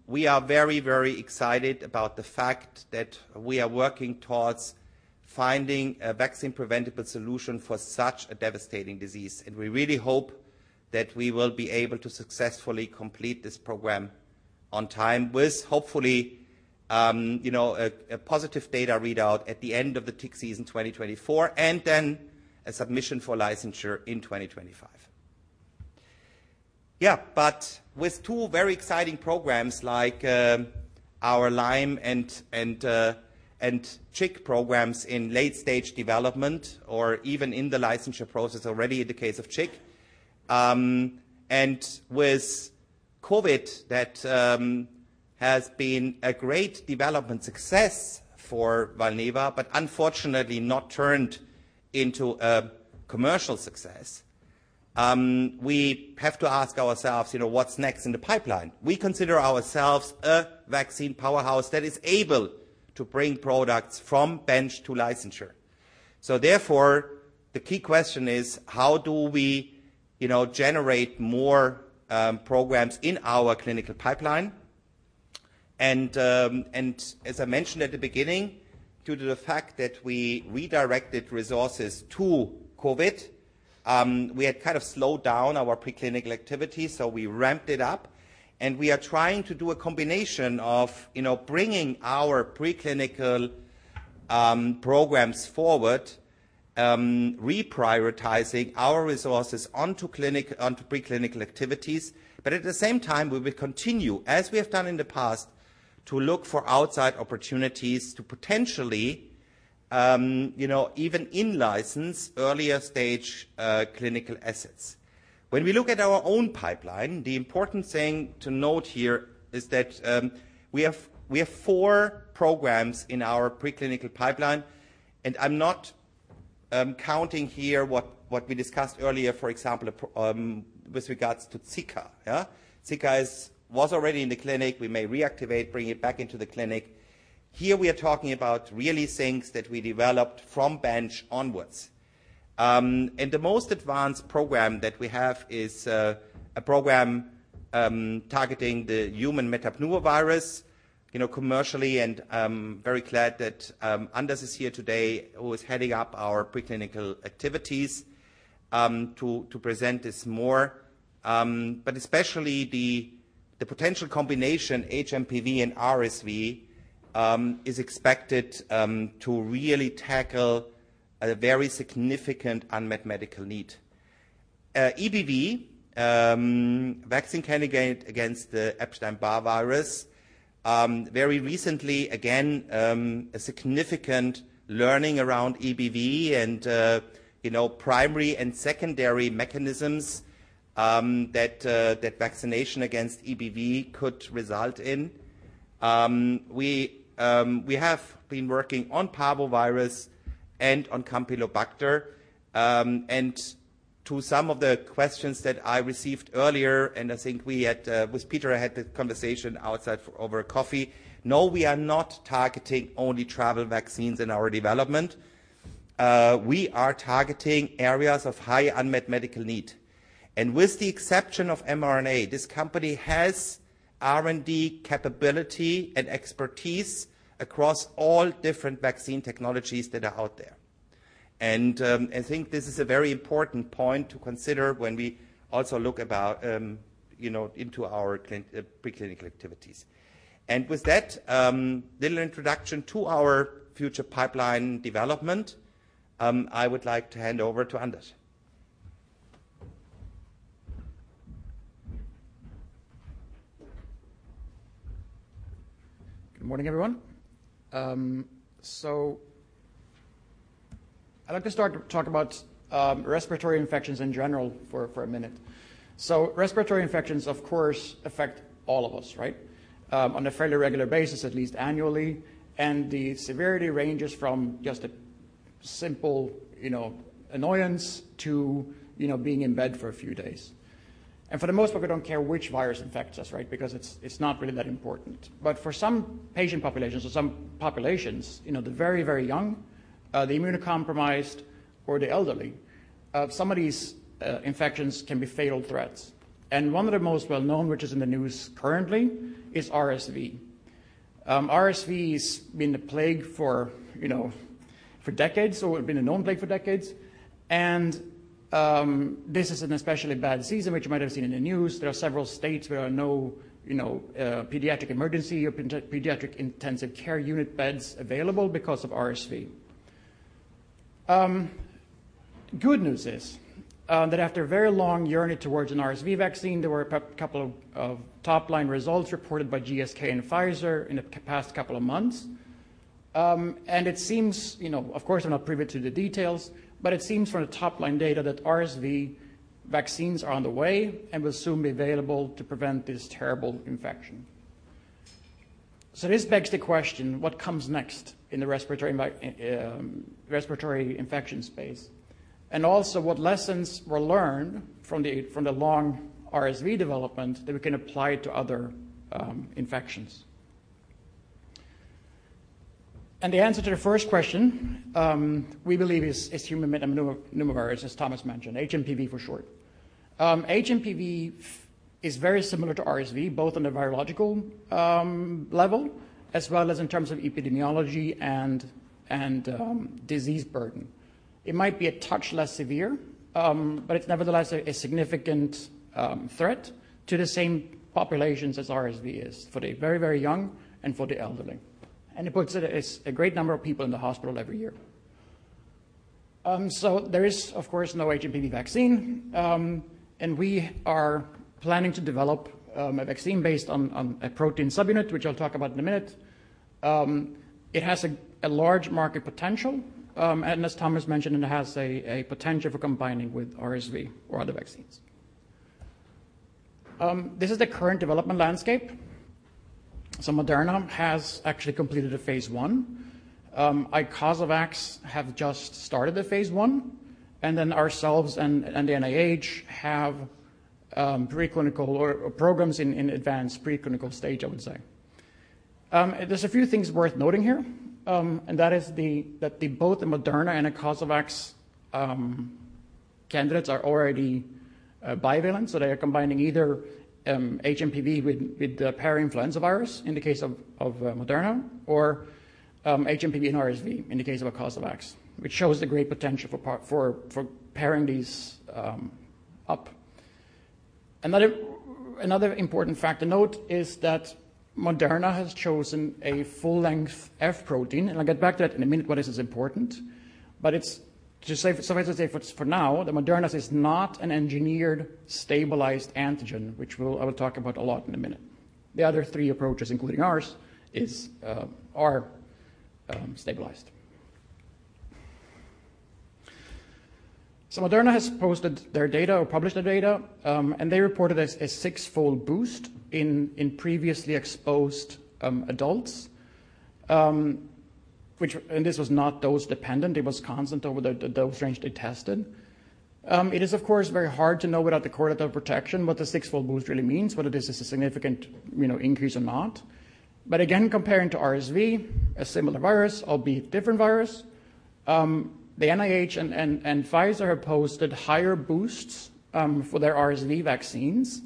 we are very excited about the fact that we are working towards finding a vaccine-preventable solution for such a devastating disease. We really hope that we will be able to successfully complete this program on time with hopefully, you know, a positive data readout at the end of the tick season 2024, and then a submission for licensure in 2025. Yeah, with two very exciting programs like our Lyme and tick programs in late-stage development or even in the licensure process already in the case of tick, and with COVID that has been a great development success for Valneva, but unfortunately not turned into a commercial success. We have to ask ourselves, you know, what's next in the pipeline? We consider ourselves a vaccine powerhouse that is able to bring products from bench to licensure. Therefore, the key question is: How do we, you know, generate more programs in our clinical pipeline? As I mentioned at the beginning, due to the fact that we redirected resources to COVID, we had kind of slowed down our preclinical activity, so we ramped it up, and we are trying to do a combination of, you know, bringing our preclinical programs forward, reprioritizing our resources onto preclinical activities. At the same time, we will continue, as we have done in the past, to look for outside opportunities to potentially, you know, even in-license earlier-stage clinical assets. When we look at our own pipeline, the important thing to note here is that we have four programs in our preclinical pipeline, and I'm not counting here what we discussed earlier, for example, with regards to Zika. Yeah. Zika was already in the clinic. We may reactivate, bring it back into the clinic. Here we are talking about really things that we developed from bench onwards. The most advanced program that we have is a program targeting the human metapneumovirus, you know, commercially and very glad that Anders is here today, who is heading up our preclinical activities to present this more. Especially the potential combination hMPV and RSV is expected to really tackle a very significant unmet medical need. EBV vaccine candidate against the Epstein-Barr virus, very recently, again, a significant learning around EBV and, you know, primary and secondary mechanisms that vaccination against EBV could result in. We have been working on parvovirus and on Campylobacter, and to some of the questions that I received earlier, and I think we had, with Peter, I had the conversation outside over coffee. No, we are not targeting only travel vaccines in our development. We are targeting areas of high unmet medical need. With the exception of mRNA, this company has R&D capability and expertise across all different vaccine technologies that are out there. I think this is a very important point to consider when we also look about, you know, into our preclinical activities. With that, little introduction to our future pipeline development, I would like to hand over to Anders. Good morning, everyone. I'd like to start to talk about respiratory infections in general for a minute. Respiratory infections of course affect all of us, right? On a fairly regular basis, at least annually, the severity ranges from just a simple, you know, annoyance to, you know, being in bed for a few days. For the most part, we don't care which virus infects us, right? Because it's not really that important. For some patient populations or some populations, you know, the very, very young, the immunocompromised or the elderly, some of these infections can be fatal threats. One of the most well-known, which is in the news currently, is RSV. RSV has been the plague for, you know, for decades, or been a known plague for decades. This is an especially bad season, which you might have seen in the news. There are several states where no, you know, pediatric emergency or pediatric intensive care unit beds available because of RSV. Good news is that after a very long journey towards an RSV vaccine, there were a couple of top-line results reported by GSK and Pfizer in the past couple of months. It seems, you know, of course, I'm not privy to the details, but it seems from the top-line data that RSV vaccines are on the way and will soon be available to prevent this terrible infection. This begs the question: what comes next in the respiratory infection space? Also what lessons were learned from the long RSV development that we can apply to other infections. The answer to the first question, we believe is human metapneumovirus, as Thomas mentioned, hMPV for short. hMPV is very similar to RSV, both on the virological level as well as in terms of epidemiology and disease burden. It might be a touch less severe, but it's nevertheless a significant threat to the same populations as RSV is for the very young and for the elderly. It puts a great number of people in the hospital every year. There is, of course, no hMPV vaccine, and we are planning to develop a vaccine based on a protein subunit, which I'll talk about in a minute. It has a large market potential, and as Thomas mentioned, it has a potential for combining with RSV or other vaccines. This is the current development landscape. Moderna has actually completed a phase I. Icosavax have just started the phase I, ourselves and the NIH have preclinical or programs in advanced preclinical stage, I would say. There's a few things worth noting here, and that is that both Moderna and Icosavax candidates are already bivalent. They are combining either hMPV with the parainfluenza virus in the case of Moderna, or hMPV and RSV in the case of Icosavax, which shows the great potential for pairing these up. Another important fact to note is that Moderna has chosen a full-length F protein, and I'll get back to that in a minute why this is important. Just say, suffice it to say for now that Moderna's is not an engineered stabilized antigen, which I will talk about a lot in a minute. The other three approaches, including ours, are stabilized. Moderna has posted their data or published their data, and they reported a six-fold boost in previously exposed adults. This was not dose-dependent. It was constant over the dose range they tested. It is of course, very hard to know without the correlative protection what the six-fold boost really means, whether this is a significant, you know, increase or not. Again, comparing to RSV, a similar virus, albeit different virus, the NIH and Pfizer have posted higher boosts for their RSV vaccines,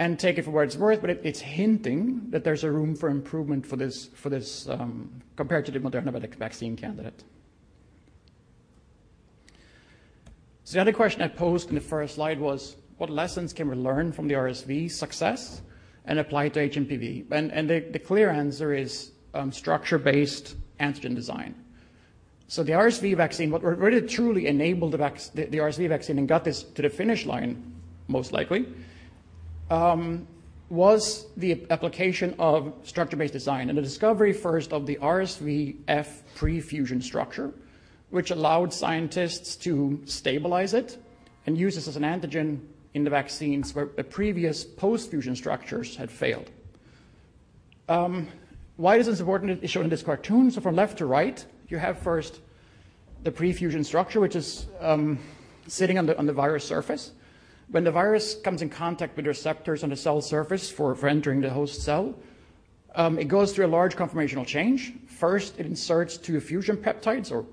and take it for what it's worth, but it's hinting that there's a room for improvement for this, compared to the Moderna vaccine candidate. The other question I posed in the first slide was what lessons can we learn from the RSV success and apply it to hMPV? The clear answer is structure-based antigen design. The RSV vaccine, what really truly enabled the RSV vaccine and got this to the finish line most likely was the application of structure-based design, and the discovery first of the RSV-F prefusion structure, which allowed scientists to stabilize it and use this as an antigen in the vaccines where the previous postfusion structures had failed. Why this is important is shown in this cartoon. From left to right, you have first the prefusion structure, which is sitting on the virus surface. When the virus comes in contact with receptors on the cell surface for entering the host cell, it goes through a large conformational change. First, it inserts two fusion peptides,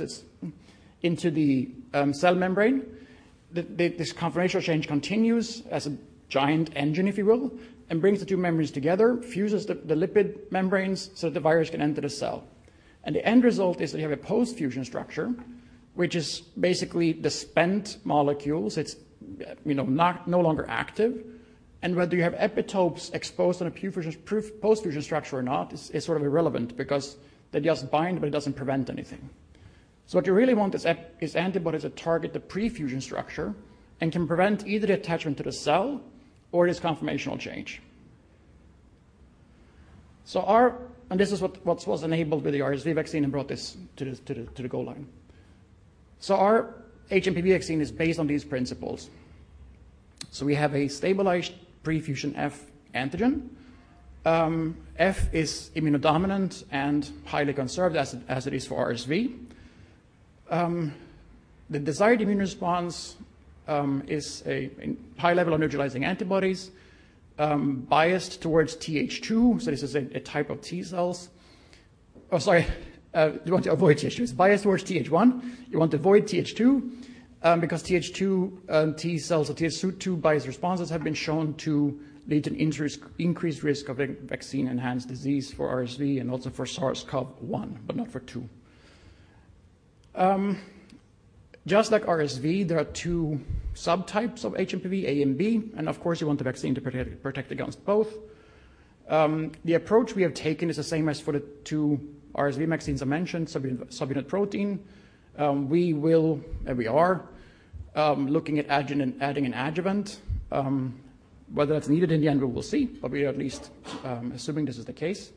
it's into the cell membrane. This conformational change continues as a giant engine, if you will, and brings the two membranes together, fuses the lipid membranes, so the virus can enter the cell. The end result is that you have a postfusion structure, which is basically the spent molecules. It's, you know, not, no longer active. Whether you have epitopes exposed on a prefusion, postfusion structure or not is sort of irrelevant because they just bind, but it doesn't prevent anything. What you really want is antibodies that target the prefusion structure and can prevent either the attachment to the cell or this conformational change. And this is what was enabled with the RSV vaccine and brought this to the goal line. Our hMPV vaccine is based on these principles. We have a stabilized prefusion F antigen. F is immunodominant and highly conserved as it is for RSV. The desired immune response is an high level of neutralizing antibodies biased towards TH2. This is a type of T cells. Oh, sorry. You want to avoid TH2s. Biased towards TH1. You want to avoid TH2 because TH2 T cells or TH2-biased responses have been shown to lead to increased risk of vaccine-enhanced disease for RSV and also for SARS-CoV-1, but not for 2. Just like RSV, there are two subtypes of hMPV, A and B, and of course, you want the vaccine to protect against both. The approach we have taken is the same as for the two RSV vaccines I mentioned, subunit protein. We will, and we are looking at adding an adjuvant. Whether that's needed in the end, we will see, but we are at least assuming this is the case.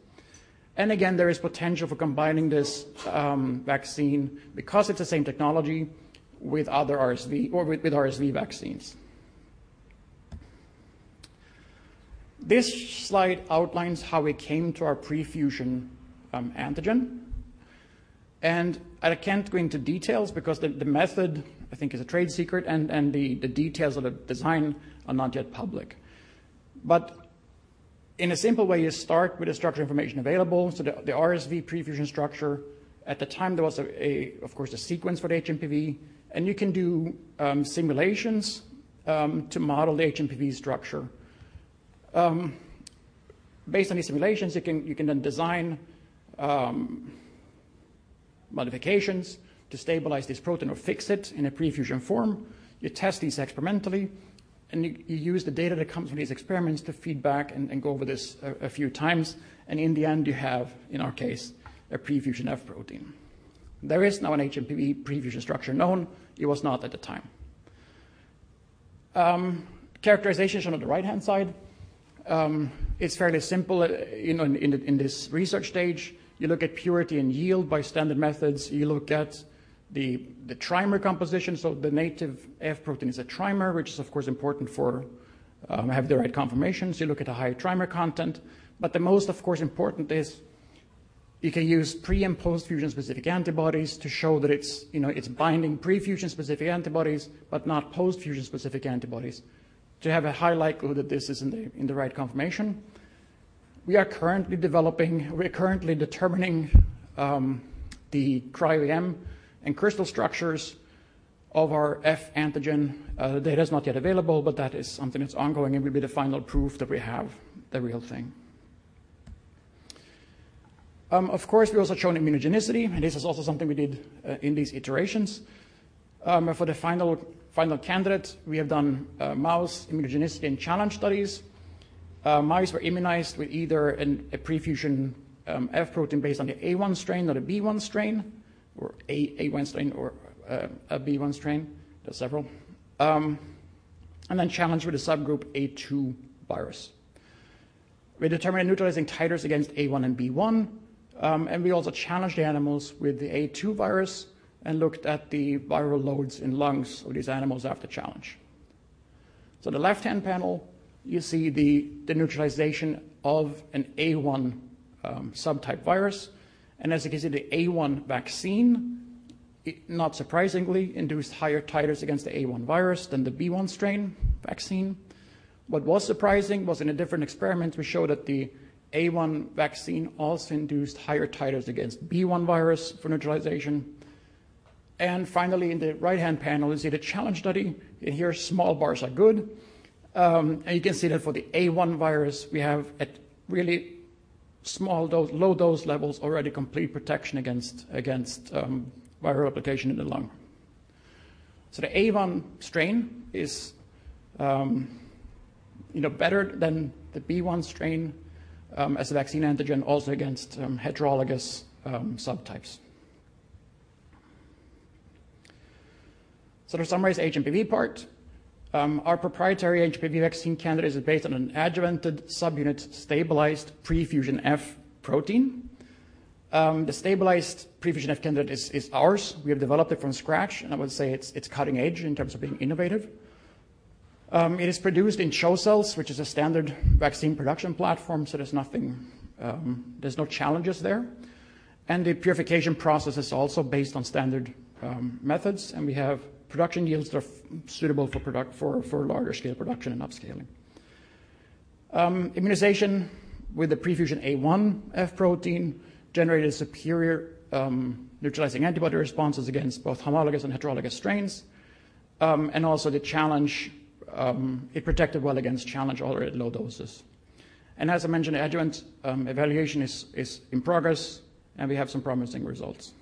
Again, there is potential for combining this vaccine because it's the same technology with other RSV or with RSV vaccines. This slide outlines how we came to our prefusion antigen, and I can't go into details because the method I think is a trade secret, and the details of the design are not yet public. In a simple way, you start with the structure information available, so the RSV prefusion structure. At the time, there was, of course, a sequence for the hMPV, and you can do simulations to model the hMPV structure. Based on these simulations, you can then design modifications to stabilize this protein or fix it in a prefusion form. You test these experimentally, and you use the data that comes from these experiments to feed back and go over this a few times, and in the end, you have, in our case, a prefusion F protein. There is now an hMPV prefusion structure known. It was not at the time. Characterization on the right-hand side. It's fairly simple. You know, in this research stage, you look at purity and yield by standard methods. You look at the trimer composition. The native F protein is a trimer, which is of course important for have the right conformations. You look at the high trimer content. The most, of course, important is you can use pre- and post-fusion specific antibodies to show that it's, you know, it's binding pre-fusion specific antibodies, but not post-fusion specific antibodies to have a high likelihood that this is in the, in the right conformation. We're currently determining the cryo-EM and crystal structures of our F antigen. The data is not yet available, but that is something that's ongoing, and will be the final proof that we have the real thing. Of course, we've also shown immunogenicity, and this is also something we did in these iterations. For the final candidate, we have done mouse immunogenicity and challenge studies. Mice were immunized with either a prefusion F protein based on the A1 strain or the B1 strain, or A1 strain or a B1 strain. There are several. Challenged with a subgroup A2 virus. We determined neutralizing titers against A1 and B1, we also challenged the animals with the A2 virus and looked at the viral loads in lungs of these animals after challenge. The left-hand panel, you see the neutralization of an A1 subtype virus, as you can see, the A1 vaccine, it not surprisingly induced higher titers against the A1 virus than the B1 strain vaccine. What was surprising was in a different experiment, we showed that the A1 vaccine also induced higher titers against B1 virus for neutralization. Finally, in the right-hand panel, you see the challenge study. Here, small bars are good. You can see that for the A1 virus, we have at really small dose, low dose levels already complete protection against viral replication in the lung. The A1 strain is, you know, better than the B1 strain as a vaccine antigen also against heterologous subtypes. To summarize the hMPV part, our proprietary hMPV vaccine candidate is based on an adjuvanted subunit stabilized prefusion F protein. The stabilized prefusion F candidate is ours. We have developed it from scratch, and I would say it's cutting-edge in terms of being innovative. It is produced in CHO cells, which is a standard vaccine production platform, so there's nothing, there's no challenges there. The purification process is also based on standard methods, and we have production yields that are suitable for larger-scale production and upscaling. Immunization with the prefusion A1 F protein generated superior neutralizing antibody responses against both homologous and heterologous strains, and also the challenge, it protected well against challenge all at low doses. As I mentioned, adjuvant evaluation is in progress, and we have some promising results.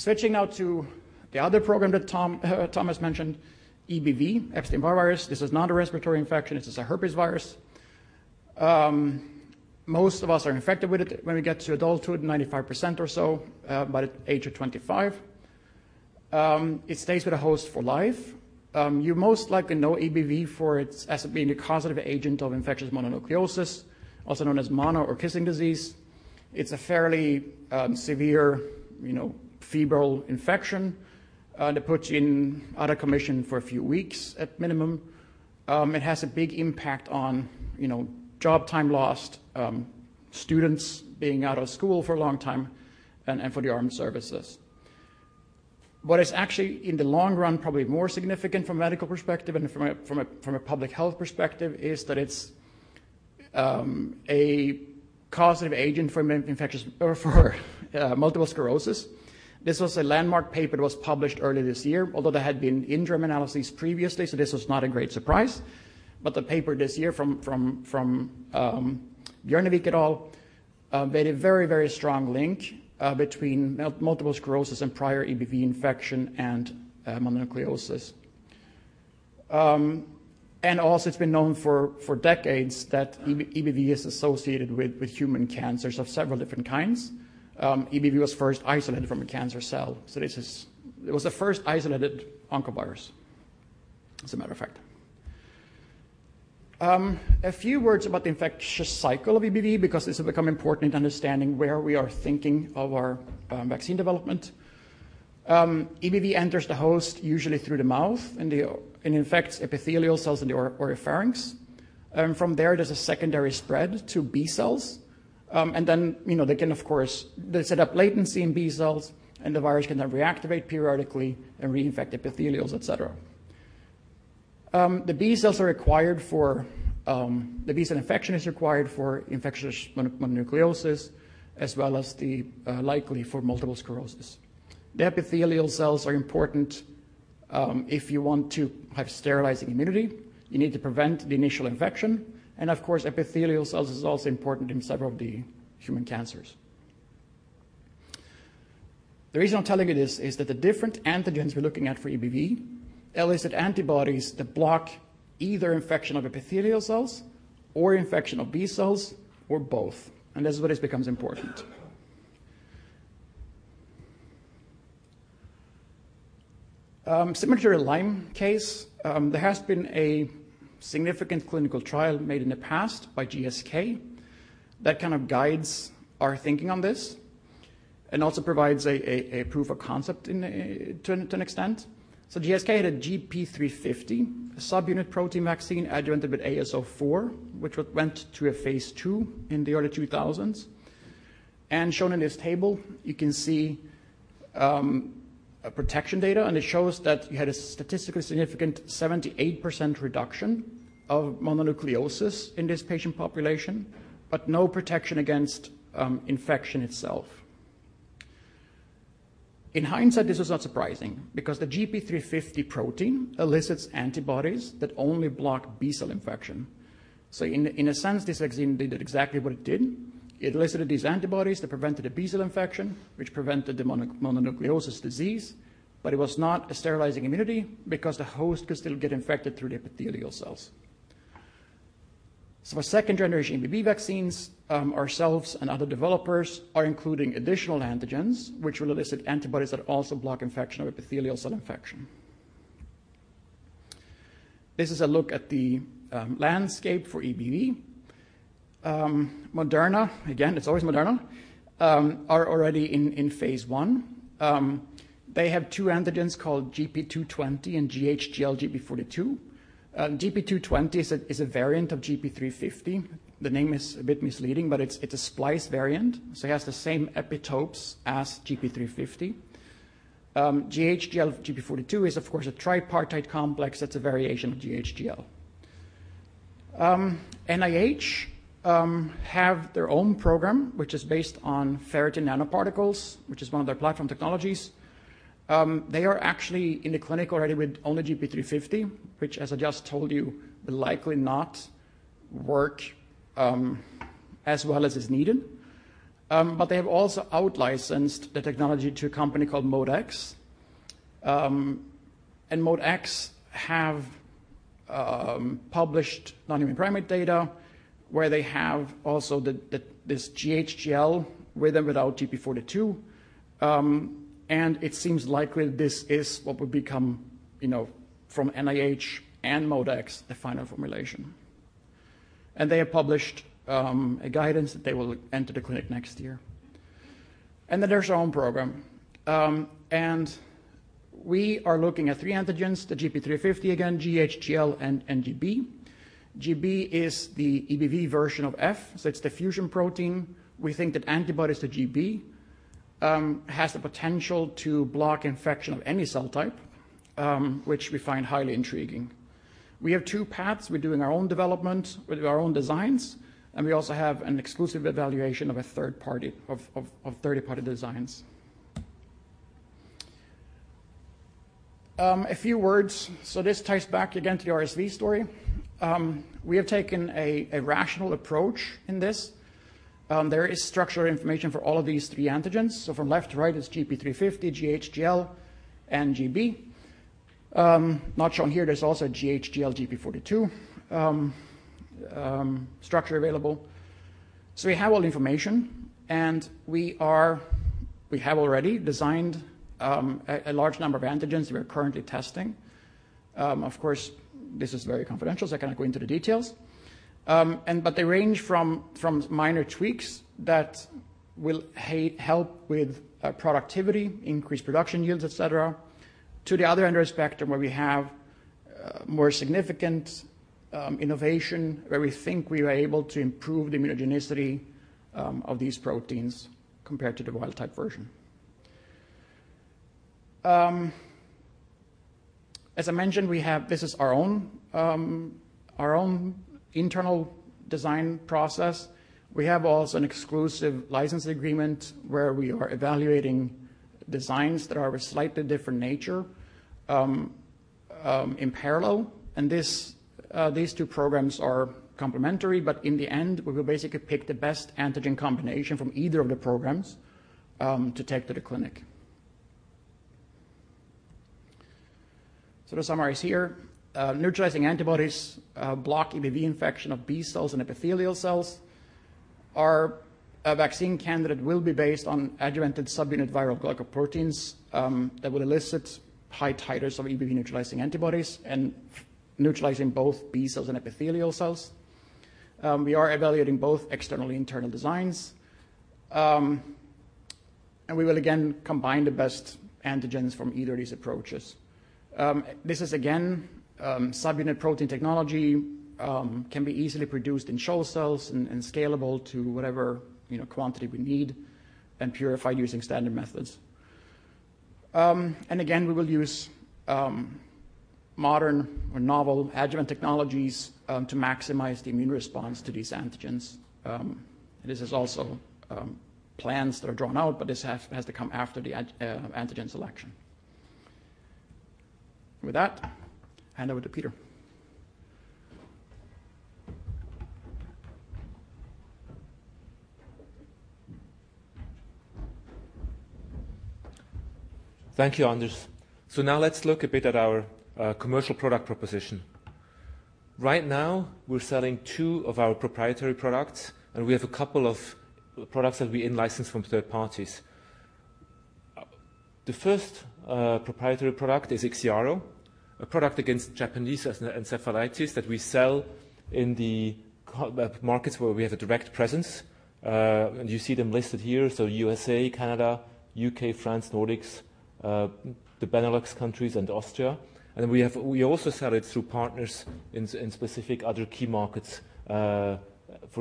Switching now to the other program that Thomas mentioned, EBV, Epstein-Barr virus. This is not a respiratory infection. This is a herpes virus. Most of us are infected with it when we get to adulthood, 95% or so, by the age of 25. It stays with the host for life. You most likely know EBV for its as being the causative agent of infectious mononucleosis, also known as mono or kissing disease. It's a fairly, you know, severe febrile infection that puts you out of commission for a few weeks at minimum. It has a big impact on, you know, job time lost, students being out of school for a long time, and for the armed services. What is actually, in the long run, probably more significant from a medical perspective and from a public health perspective is that it's a causative agent for multiple sclerosis. This was a landmark paper that was published earlier this year, although there had been interim analyses previously, this was not a great surprise. The paper this year from Bjørnevik et al. made a very, very strong link between multiple sclerosis and prior EBV infection and mononucleosis. Also it's been known for decades that EBV is associated with human cancers of several different kinds. EBV was first isolated from a cancer cell. It was the first isolated oncovirus, as a matter of fact. A few words about the infectious cycle of EBV because this will become important in understanding where we are thinking of our vaccine development. EBV enters the host usually through the mouth and infects epithelial cells in the oropharynx. From there's a secondary spread to B cells. Then, you know, they can, of course. They set up latency in B cells. The virus can then reactivate periodically and reinfect epithelials, et cetera. The B cells are required for the B cell infection is required for infectious mononucleosis as well as likely for multiple sclerosis. The epithelial cells are important if you want to have sterilizing immunity. You need to prevent the initial infection, and of course, epithelial cells is also important in several of the human cancers. The reason I'm telling you this is that the different antigens we're looking at for EBV elicit antibodies that block either infection of epithelial cells or infection of B cells or both. This is where this becomes important. Similar to Lyme, there has been a significant clinical trial made in the past by GSK that kind of guides our thinking on this and also provides a proof of concept to an extent. GSK had a GP350 subunit protein vaccine adjuvanted with AS04, which went to a phase II in the early 2000s. Shown in this table, you can see a protection data, and it shows that you had a statistically significant 78% reduction of mononucleosis in this patient population, but no protection against infection itself. In hindsight, this was not surprising because the GP350 protein elicits antibodies that only block B cell infection. In a sense, this vaccine did exactly what it did. It elicited these antibodies that prevented a B cell infection, which prevented the mononucleosis disease, but it was not a sterilizing immunity because the host could still get infected through the epithelial cells. For second-generation EBV vaccines, ourselves and other developers are including additional antigens, which will elicit antibodies that also block infection of epithelial cell infection. This is a look at the landscape for EBV. Moderna, again, it's always Moderna, are already in phase I. They have two antigens called GP220 and gH/gL GP42. GP220 is a variant of GP350. The name is a bit misleading, but it's a splice variant, so it has the same epitopes as GP350. gH/gL GP42 is, of course, a tripartite complex that's a variation of gH/gL. NIH have their own program, which is based on ferritin nanoparticles, which is one of their platform technologies. They are actually in the clinic already with only GP350, which, as I just told you, will likely not work as well as is needed. They have also outlicensed the technology to a company called ModeX. ModeX have published non-human primate data where they have also this gH/gL with and without GP42. It seems likely this is what will become, you know, from NIH and ModeX, the final formulation. They have published a guidance that they will enter the clinic next year. There's our own program. We are looking at three antigens, the GP350 again, gH/gL, and GB. GB is the EBV version of F, so it's the fusion protein. We think that antibodies to GB has the potential to block infection of any cell type, which we find highly intriguing. We have two paths. We're doing our own development with our own designs, and we also have an exclusive evaluation of a third party of third-party designs. A few words. This ties back again to the RSV story. We have taken a rational approach in this. There is structural information for all of these three antigens. From left to right is GP350, gH/gL, and GB. Not shown here, there's also a gH/gL GP42 structure available. We have all the information, and we have already designed a large number of antigens we are currently testing. Of course, this is very confidential, so I cannot go into the details. They range from minor tweaks that will help with productivity, increased production yields, et cetera, to the other end of the spectrum, where we have more significant innovation, where we think we were able to improve the immunogenicity of these proteins compared to the wild-type version. As I mentioned, we have. This is our own internal design process. We have also an exclusive license agreement where we are evaluating designs that are of a slightly different nature in parallel. This, these two programs are complementary, but in the end, we will basically pick the best antigen combination from either of the programs to take to the clinic. To summarize here, neutralizing antibodies block EBV infection of B cells and epithelial cells. Our vaccine candidate will be based on adjuvanted subunit viral glycoproteins, that will elicit high titers of EBV-neutralizing antibodies, and neutralizing both B cells and epithelial cells. We are evaluating both external and internal designs. We will again combine the best antigens from either of these approaches. This is again, subunit protein technology, can be easily produced in CHO cells and scalable to whatever, you know, quantity we need and purified using standard methods. We will use modern or novel adjuvant technologies, to maximize the immune response to these antigens. This is also plans that are drawn out, but this has to come after the antigen selection. With that, hand over to Peter. Thank you, Anders Lilja. Now let's look a bit at our commercial product proposition. Right now, we're selling two of our proprietary products, and we have a couple of products that we in-license from third parties. The first proprietary product is IXIARO, a product against Japanese encephalitis that we sell in the markets where we have a direct presence. You see them listed here, USA, Canada, U.K., France, Nordics, the Benelux countries, and Austria. We also sell it through partners in specific other key markets, for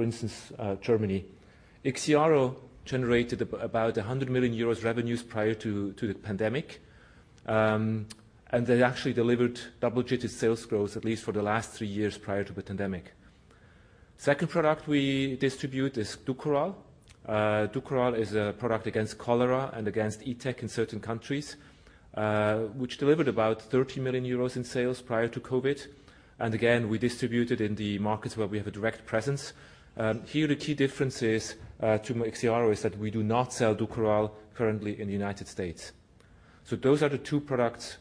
instance, Germany. IXIARO generated about 100 million euros revenues prior to the pandemic, and they actually delivered double-digit sales growth, at least for the last three years prior to the pandemic. Second product we distribute is DUKORAL. DUKORAL is a product against cholera and against ETEC in certain countries, which delivered about 30 million euros in sales prior to COVID. Again, we distribute it in the markets where we have a direct presence. Here the key difference is to IXIARO is that we do not sell DUKORAL currently in the United States. Those are the two products,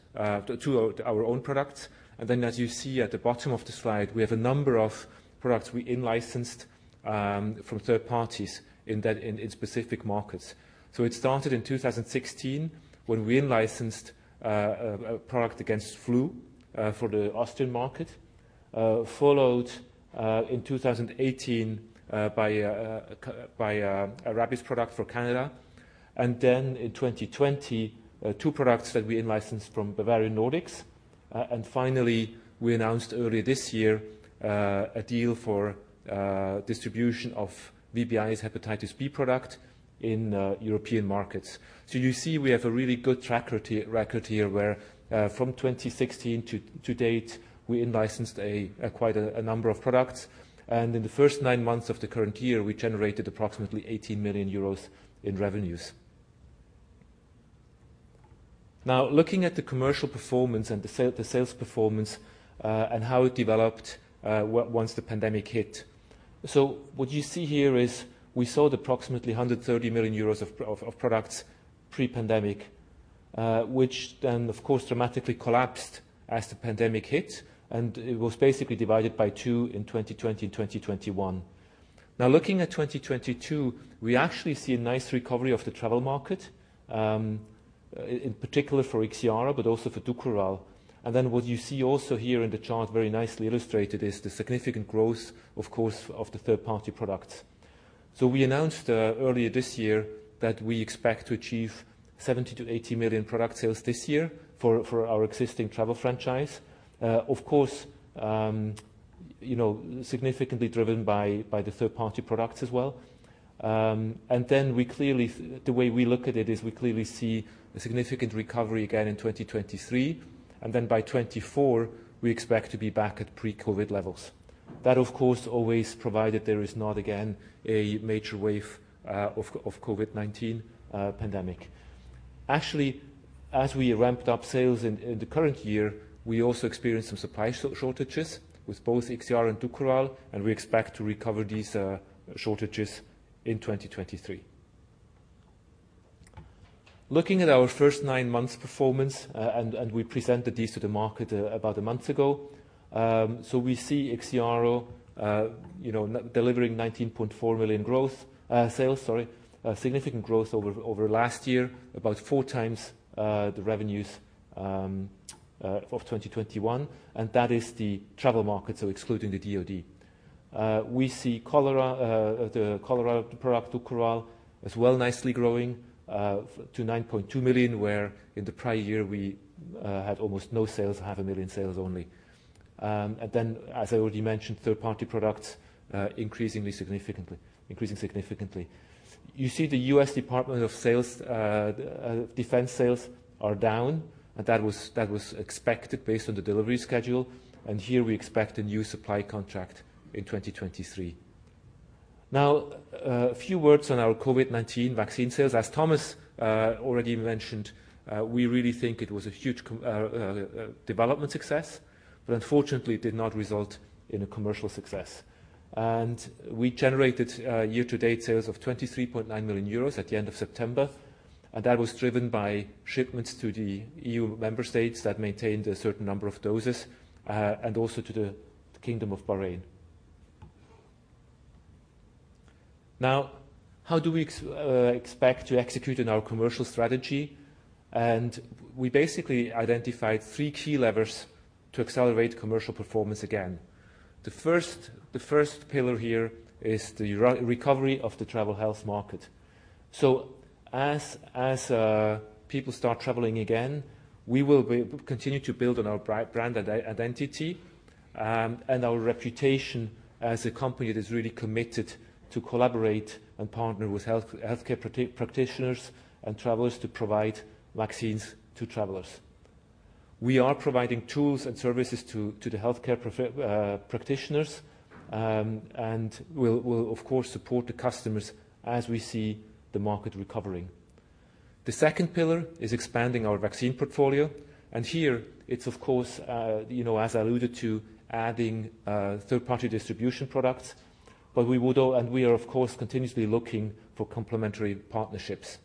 two of our own products. As you see at the bottom of the slide, we have a number of products we in-licensed from third parties in specific markets. It started in 2016 when we in-licensed a product against flu for the Austrian market, followed in 2018 by a rabies product for Canada. In 2020, two products that we in-licensed from Bavarian Nordic. Finally, we announced earlier this year a deal for distribution of VBI's hepatitis B product in European markets. You see we have a really good track record here, where from 2016 to date, we in-licensed quite a number of products. In the first nine months of the current year, we generated approximately 18 million euros in revenues. Looking at the commercial performance and the sales performance, and how it developed once the pandemic hit. What you see here is we sold approximately 130 million euros of products pre-pandemic, which of course dramatically collapsed as the pandemic hit, and it was basically divided by two in 2020 and 2021. Looking at 2022, we actually see a nice recovery of the travel market, in particular for IXIARO but also for DUKORAL. What you see also here in the chart very nicely illustrated is the significant growth, of course, of the third-party products. We announced earlier this year that we expect to achieve 70 million-80 million product sales this year for our existing travel franchise. Of course, you know, significantly driven by the third-party products as well. We clearly see a significant recovery again in 2023, and by 2024, we expect to be back at pre-COVID levels. Of course always provided there is not again a major wave of COVID-19 pandemic. Actually, as we ramped up sales in the current year, we also experienced some supply shortages with both IXIARO and DUKORAL, and we expect to recover these shortages in 2023. Looking at our first nine months' performance, and we presented these to the market about a month ago. We see IXIARO, you know, delivering 19.4 million growth sales, sorry, significant growth over last year, about 4x the revenues of 2021, and that is the travel market, so excluding the DoD. We see cholera, the cholera product, DUKORAL, as well nicely growing to 9.2 million, where in the prior year we had almost no sales, half a million sales only. As I already mentioned, third-party products, increasing significantly. You see the U.S. Department of Defense sales are down, that was expected based on the delivery schedule. Here we expect a new supply contract in 2023. A few words on our COVID-19 vaccine sales. As Thomas already mentioned, we really think it was a huge development success, unfortunately it did not result in a commercial success. We generated year-to-date sales of 23.9 million euros at the end of September, and that was driven by shipments to the EU member states that maintained a certain number of doses, and also to the Kingdom of Bahrain. How do we expect to execute on our commercial strategy? We basically identified three key levers to accelerate commercial performance again. The first pillar here is the recovery of the travel health market. As people start traveling again, we will continue to build on our brand identity and our reputation as a company that's really committed to collaborate and partner with health, healthcare practitioners and travelers to provide vaccines to travelers. We are providing tools and services to the healthcare practitioners. We'll of course, support the customers as we see the market recovering. The second pillar is expanding our vaccine portfolio, and here it's of course, you know, as I alluded to, adding third-party distribution products. We are of course continuously looking for complementary partnerships.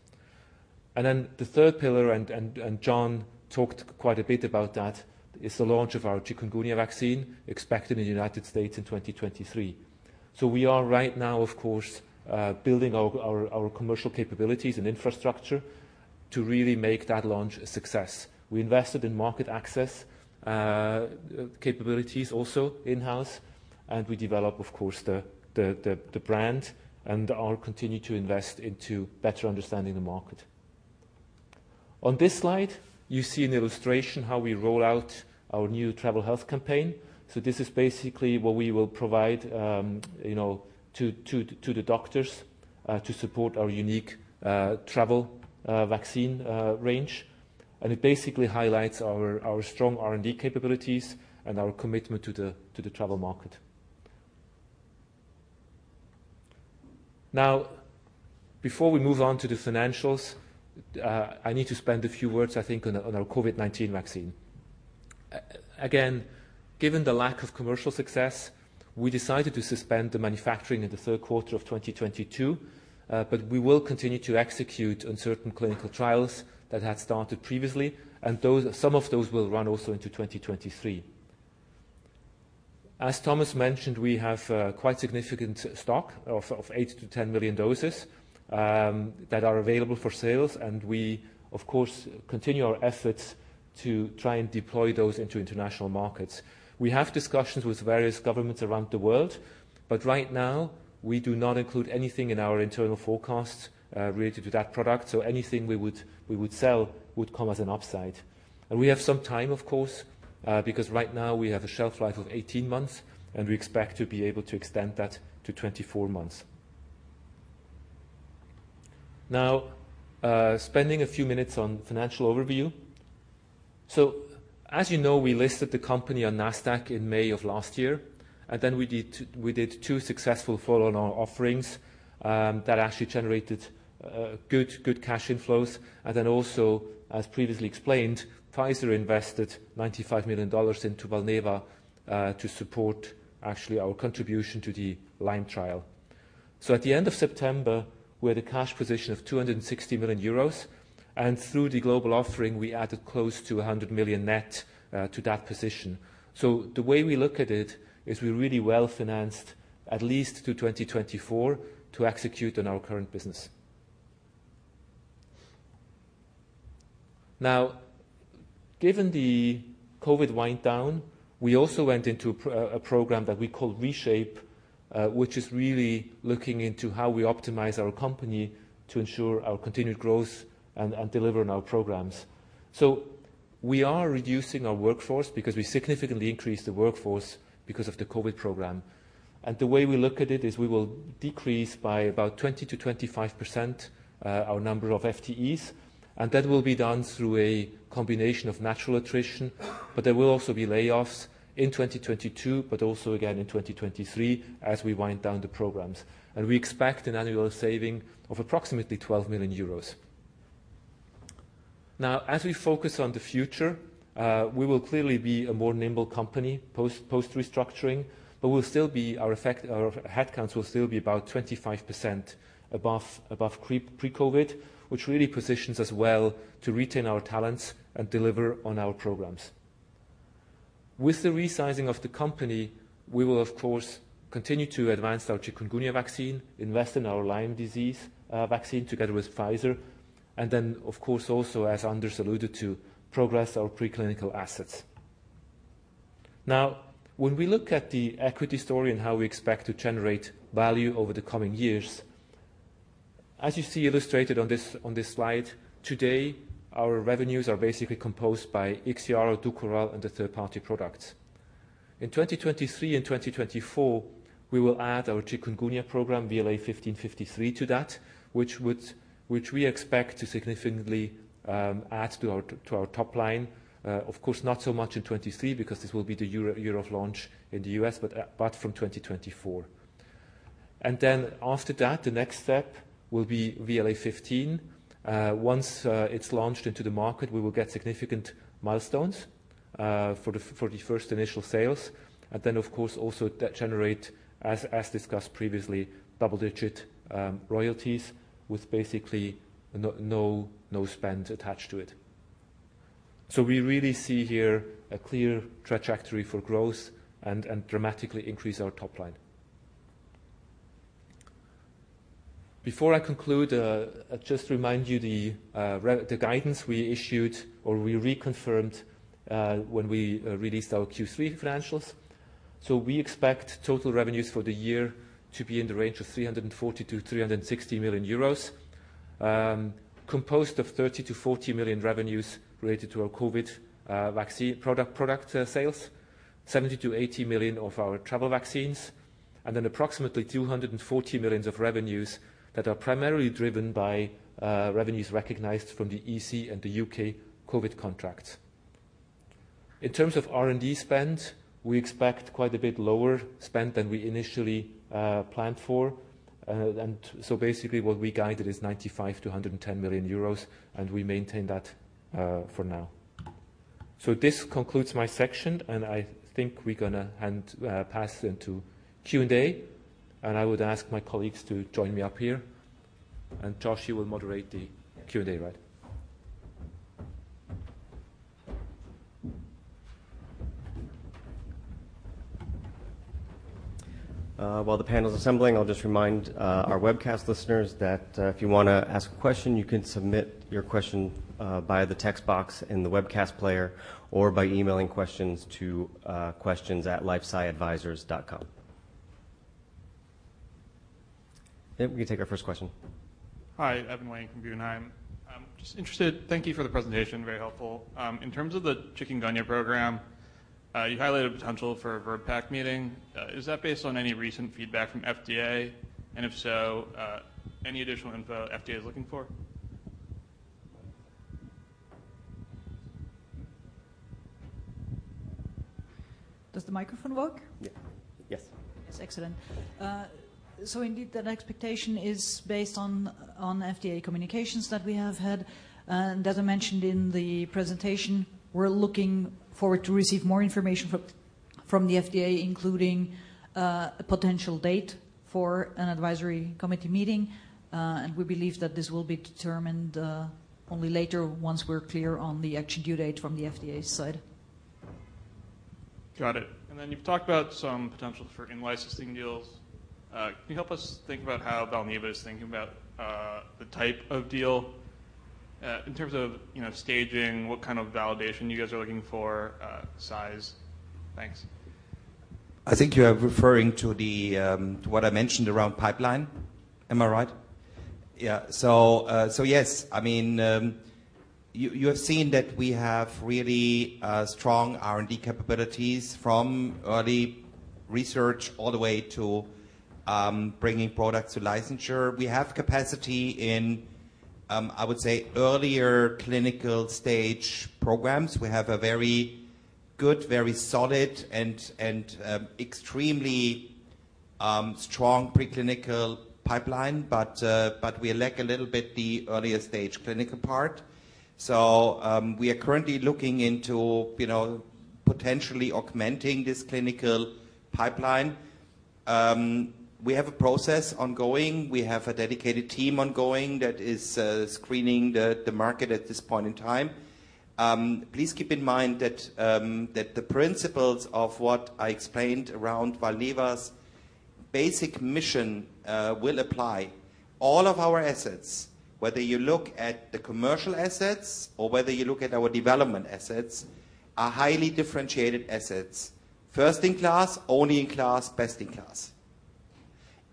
Then the third pillar and John talked quite a bit about that, is the launch of our chikungunya vaccine expected in the United States in 2023. We are right now, of course, building our commercial capabilities and infrastructure to really make that launch a success. We invested in market access capabilities also in-house, and we develop, of course, the brand and are continue to invest into better understanding the market. On this slide, you see an illustration how we roll out our new travel health campaign. This is basically what we will provide, you know, to the doctors, to support our unique travel vaccine range. It basically highlights our strong R&D capabilities and our commitment to the travel market. Before we move on to the financials, I need to spend a few words, I think, on our COVID-19 vaccine. Again, given the lack of commercial success, we decided to suspend the manufacturing in the third quarter of 2022. We will continue to execute on certain clinical trials that had started previously, and some of those will run also into 2023. As Thomas mentioned, we have quite significant stock of 8-10 million doses that are available for sales, and we of course, continue our efforts to try and deploy those into international markets. We have discussions with various governments around the world, but right now we do not include anything in our internal forecasts related to that product, so anything we would sell would come as an upside. We have some time of course, because right now we have a shelf life of 18 months, and we expect to be able to extend that to 24 months. Spending a few minutes on financial overview. As you know, we listed the company on Nasdaq in May of last year, then we did two successful follow-on offerings that actually generated good cash inflows. As previously explained, Pfizer invested EUR 95 million into Valneva to support actually our contribution to the Lyme trial. At the end of September, we had a cash position of 260 million euros, and through the global offering, we added close to 100 million net to that position. The way we look at it is we're really well-financed at least to 2024 to execute on our current business. Given the COVID wind down, we also went into a program that we call Reshape, which is really looking into how we optimize our company to ensure our continued growth and deliver on our programs. We are reducing our workforce because we significantly increased the workforce because of the COVID program. The way we look at it is we will decrease by about 20%-25% our number of FTEs, and that will be done through a combination of natural attrition, but there will also be layoffs in 2022, but also again in 2023 as we wind down the programs. We expect an annual saving of approximately 12 million euros. As we focus on the future, we will clearly be a more nimble company post-restructuring, but we'll still be our headcounts will still be about 25% above pre-COVID, which really positions us well to retain our talents and deliver on our programs. With the resizing of the company, we will of course continue to advance our chikungunya vaccine, invest in our Lyme disease vaccine together with Pfizer, of course also as Anders alluded to, progress our preclinical assets. When we look at the equity story and how we expect to generate value over the coming years, as you see illustrated on this slide, today our revenues are basically composed by IXIARO, DUKORAL, and the third-party products. In 2023 and 2024, we will add our chikungunya program VLA1553 to that which we expect to significantly add to our top line. Of course, not so much in 2023 because this will be the Eur-year of launch in the U.S., but from 2024. After that, the next step will be VLA15. Once it's launched into the market, we will get significant milestones for the first initial sales and then of course, also that generate, as discussed previously, double-digit royalties with basically no spend attached to it. We really see here a clear trajectory for growth and dramatically increase our top line. Before I conclude, I just remind you the guidance we issued or we reconfirmed when we released our Q3 financials. We expect total revenues for the year to be in the range of 340 million-360 million euros, composed of 30 million-40 million revenues related to our COVID vaccine product sales, 70 million-80 million of our travel vaccines, and then approximately 240 million of revenues that are primarily driven by revenues recognized from the EC and the U.K. COVID contracts. In terms of R&D spend, we expect quite a bit lower spend than we initially planned for. Basically what we guided is 95 million-110 million euros, and we maintain that for now. This concludes my section, and I think we're gonna hand, pass into Q&A, and I would ask my colleagues to join me up here. Josh, you will moderate the Q&A, right? While the panel is assembling, I'll just remind our webcast listeners that if you wanna ask a question, you can submit your question via the text box in the webcast player or by emailing questions to questions@lifesciadvisors.com. Yeah, we can take our first question. Hi, Evan Wang from Guggenheim. Thank you for the presentation. Very helpful. In terms of the chikungunya program, you highlighted potential for a VRBPAC meeting. Is that based on any recent feedback from FDA? If so, any additional info FDA is looking for? Does the microphone work? Yeah. Yes. Yes. Excellent. Indeed that expectation is based on FDA communications that we have had. As I mentioned in the presentation, we're looking forward to receive more information from the FDA, including a potential date for an advisory committee meeting. We believe that this will be determined only later once we're clear on the actual due date from the FDA's side. Got it. Then you've talked about some potential for in-licensing deals. Can you help us think about how Valneva is thinking about the type of deal, in terms of, you know, staging, what kind of validation you guys are looking for, size? Thanks. I think you are referring to the, to what I mentioned around pipeline. Am I right? Yeah. Yes. I mean, you have seen that we have really strong R&D capabilities from early research all the way to bringing products to licensure. We have capacity in, I would say, earlier clinical stage programs. We have a very good, very solid and extremely strong preclinical pipeline, but we lack a little bit the earlier stage clinical part. We are currently looking into, you know, potentially augmenting this clinical pipeline. We have a process ongoing. We have a dedicated team ongoing that is screening the market at this point in time. Please keep in mind that the principles of what I explained around Valneva's basic mission will apply. All of our assets, whether you look at the commercial assets or whether you look at our development assets, are highly differentiated assets. First in class, only in class, best in class.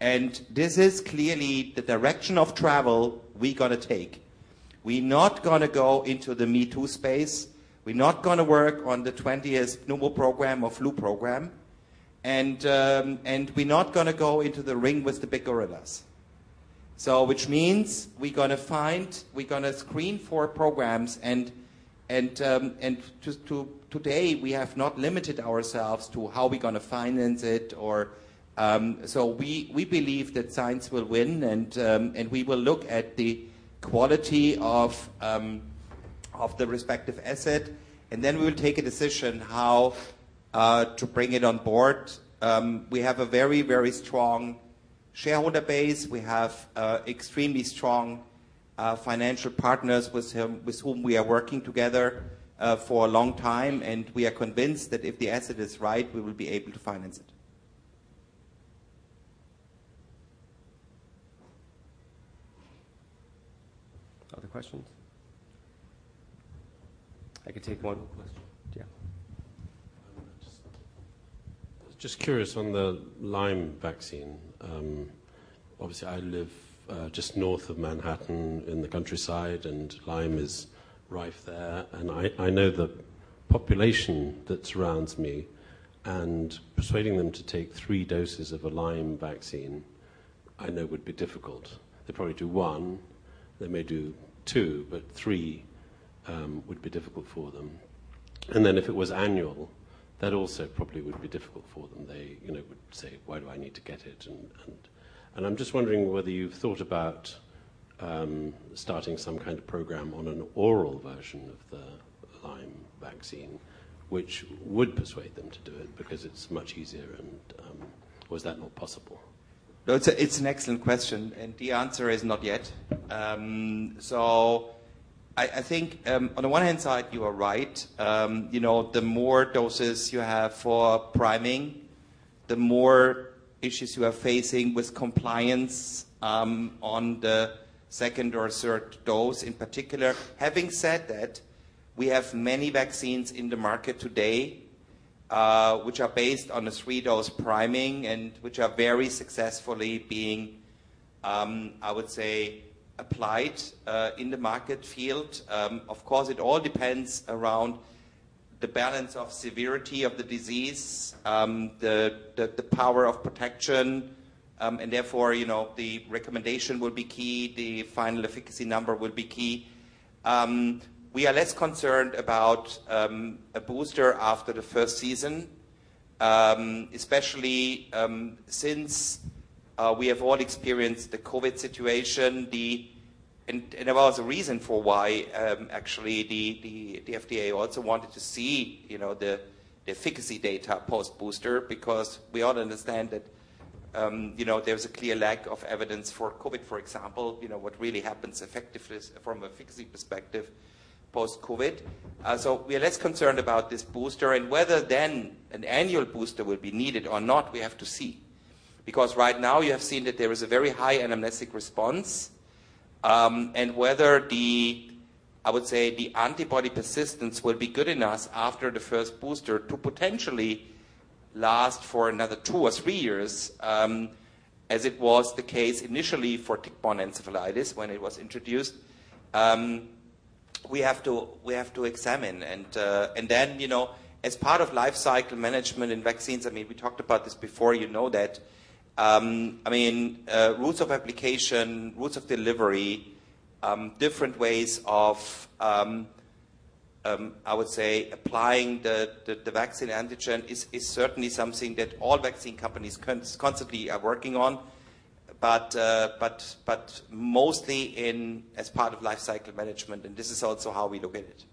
This is clearly the direction of travel we're gonna take. We're not gonna go into the me-too space. We're not gonna work on the 20th pneumo program or flu program. We're not gonna go into the ring with the big gorillas. Which means we're gonna screen for programs today, we have not limited ourselves to how we're gonna finance it or. We believe that science will win and we will look at the quality of the respective asset, and then we will take a decision how to bring it on board. We have a very strong shareholder base. We have extremely strong financial partners with whom we are working together for a long time. We are convinced that if the asset is right, we will be able to finance it. Other questions? I can take one question. Yeah. Just curious on the Lyme vaccine. Obviously I live just north of Manhattan in the countryside, and Lyme is rife there. I know the population that surrounds me, and persuading them to take three doses of a Lyme vaccine, I know would be difficult. They'd probably do one, they may do two, but three would be difficult for them. Then if it was annual, that also probably would be difficult for them. They, you know, would say, "Why do I need to get it?" I'm just wondering whether you've thought about starting some kind of program on an oral version of the Lyme vaccine, which would persuade them to do it because it's much easier and. Is that not possible? No, it's an excellent question, and the answer is not yet. I think, on the one hand side, you are right. You know, the more doses you have for priming, the more issues you are facing with compliance, on the second or third dose in particular. Having said that, we have many vaccines in the market today, which are based on a three-dose priming and which are very successfully being, I would say applied, in the market field. Of course, it all depends around the balance of severity of the disease, the, the power of protection, and therefore, you know, the recommendation will be key. The final efficacy number will be key. We are less concerned about a booster after the first season, especially since we have all experienced the COVID situation. There was a reason for why actually the FDA also wanted to see, you know, the efficacy data post-booster because we all understand that, you know, there was a clear lack of evidence for COVID, for example, you know, what really happens effective is from a efficacy perspective post-COVID. We are less concerned about this booster and whether then an annual booster will be needed or not, we have to see. Because right now you have seen that there is a very high anamnestic response, and whether the, I would say, the antibody persistence will be good enough after the first booster to potentially last for another two or three years, as it was the case initially for tick-borne encephalitis when it was introduced. We have to examine, and then, you know, as part of life cycle management in vaccines, I mean, we talked about this before, you know that. I mean, routes of application, routes of delivery, different ways of, I would say applying the vaccine antigen is certainly something that all vaccine companies constantly are working on. But mostly in as part of life cycle management, and this is also how we look at it.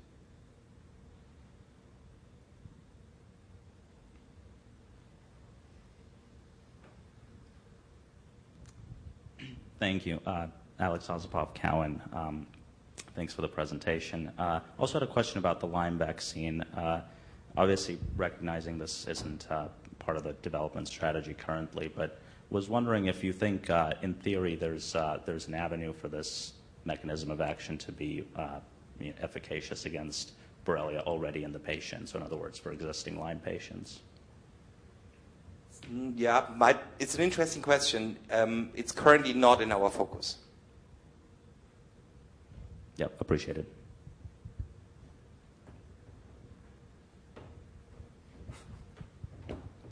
Thank you. Alex Osipov, Cowen. Thanks for the presentation. Also had a question about the Lyme vaccine. Was wondering if you think in theory there's an avenue for this mechanism of action to be, you know, efficacious against Borrelia already in the patients, so in other words, for existing Lyme patients. Mm. Yeah. It's an interesting question. It's currently not in our focus. Yep, appreciate it.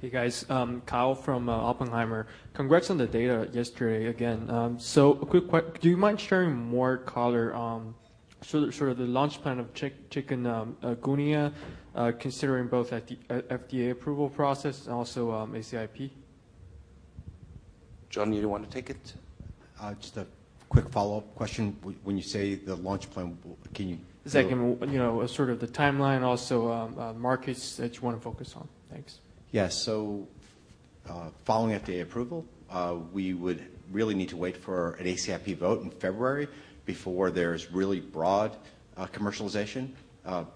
Hey, guys. Kyle from Oppenheimer. Congrats on the data yesterday again. Do you mind sharing more color on sort of the launch plan of chikungunya considering both at the FDA approval process and also ACIP? John, you want to take it? Just a quick follow-up question. When you say the launch plan, can you? Second one. You know, sort of the timeline, also, markets that you want to focus on. Thanks. Yes. Following FDA approval, we would really need to wait for an ACIP vote in February before there's really broad commercialization.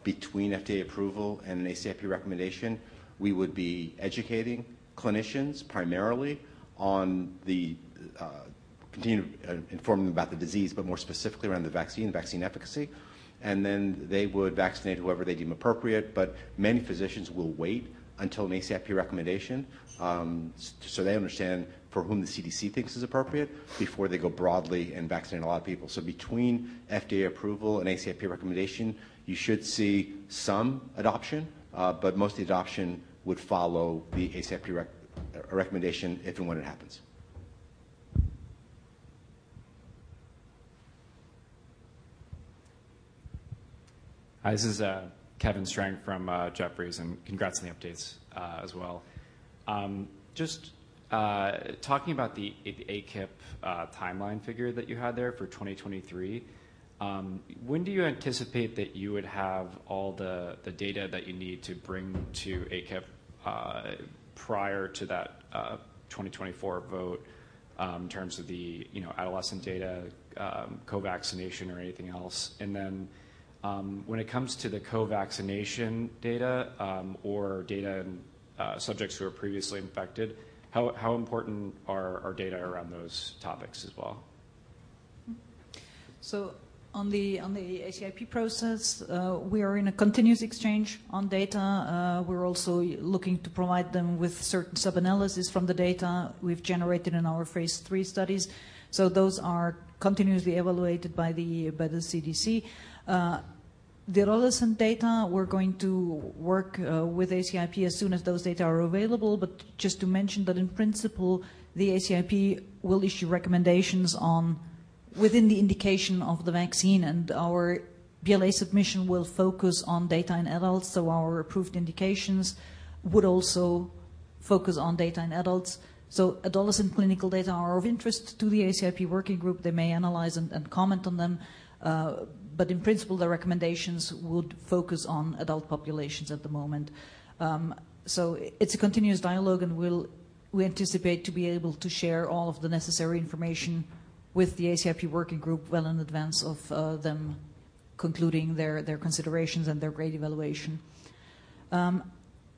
Between FDA approval and an ACIP recommendation, we would be educating clinicians primarily on the continue informing about the disease, but more specifically around the vaccine efficacy. They would vaccinate whoever they deem appropriate, but many physicians will wait until an ACIP recommendation so they understand for whom the CDC thinks is appropriate before they go broadly and vaccinate a lot of people. Between FDA approval and ACIP recommendation, you should see some adoption, but most of the adoption would follow the ACIP recommendation if and when it happens. Hi, this is Kevin Strang from Jefferies, congrats on the updates as well. Just talking about the ACIP timeline figure that you had there for 2023, when do you anticipate that you would have all the data that you need to bring to ACIP prior to that 2024 vote, in terms of the, you know, adolescent data, co-vaccination or anything else? When it comes to the co-vaccination data, or data in subjects who are previously infected, how important are our data around those topics as well? On the ACIP process, we are in a continuous exchange on data. We're also looking to provide them with certain sub-analysis from the data we've generated in our phase III studies. Those are continuously evaluated by the CDC. The adolescent data, we're going to work with ACIP as soon as those data are available. Just to mention that in principle, the ACIP will issue recommendations on within the indication of the vaccine, and our BLA submission will focus on data in adults, so our approved indications would also focus on data in adults. Adolescent clinical data are of interest to the ACIP working group. They may analyze and comment on them. In principle, the recommendations would focus on adult populations at the moment. It's a continuous dialogue, and we'll We anticipate to be able to share all of the necessary information with the ACIP working group well in advance of them concluding their considerations and their grade evaluation.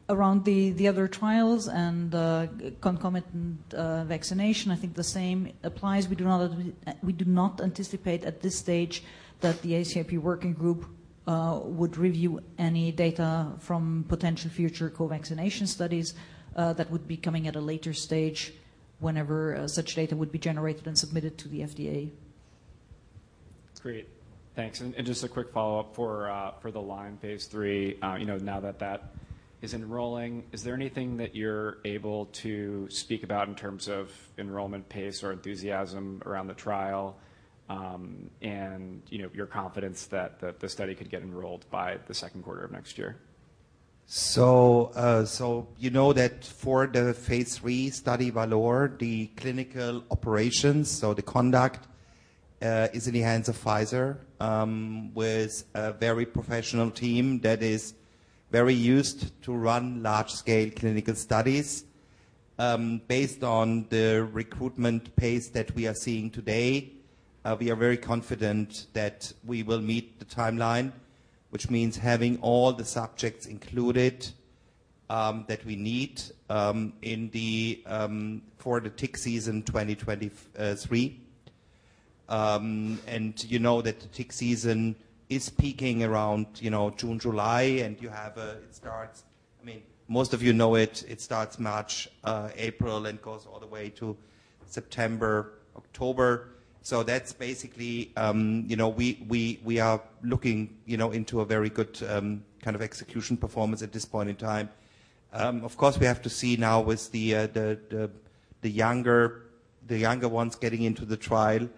Around the other trials and the concomitant vaccination, I think the same applies. We do not anticipate at this stage that the ACIP working group would review any data from potential future co-vaccination studies that would be coming at a later stage whenever such data would be generated and submitted to the FDA. Great. Thanks. Just a quick follow-up for the Lyme phase III, you know, now that that is enrolling, is there anything that you're able to speak about in terms of enrollment pace or enthusiasm around the trial, and, you know, your confidence that the study could get enrolled by the second quarter of next year? You know that for the phase III study VALOR, the clinical operations or the conduct is in the hands of Pfizer with a very professional team that is very used to run large-scale clinical studies. Based on the recruitment pace that we are seeing today, we are very confident that we will meet the timeline, which means having all the subjects included that we need in the for the tick season 2023. You know that the tick season is peaking around, you know, June, July, and you have, I mean, most of you know it starts March, April, and goes all the way to September, October. That's basically, you know, we are looking, you know, into a very good, kind of execution performance at this point in time. Of course, we have to see now with the younger ones getting into the trial.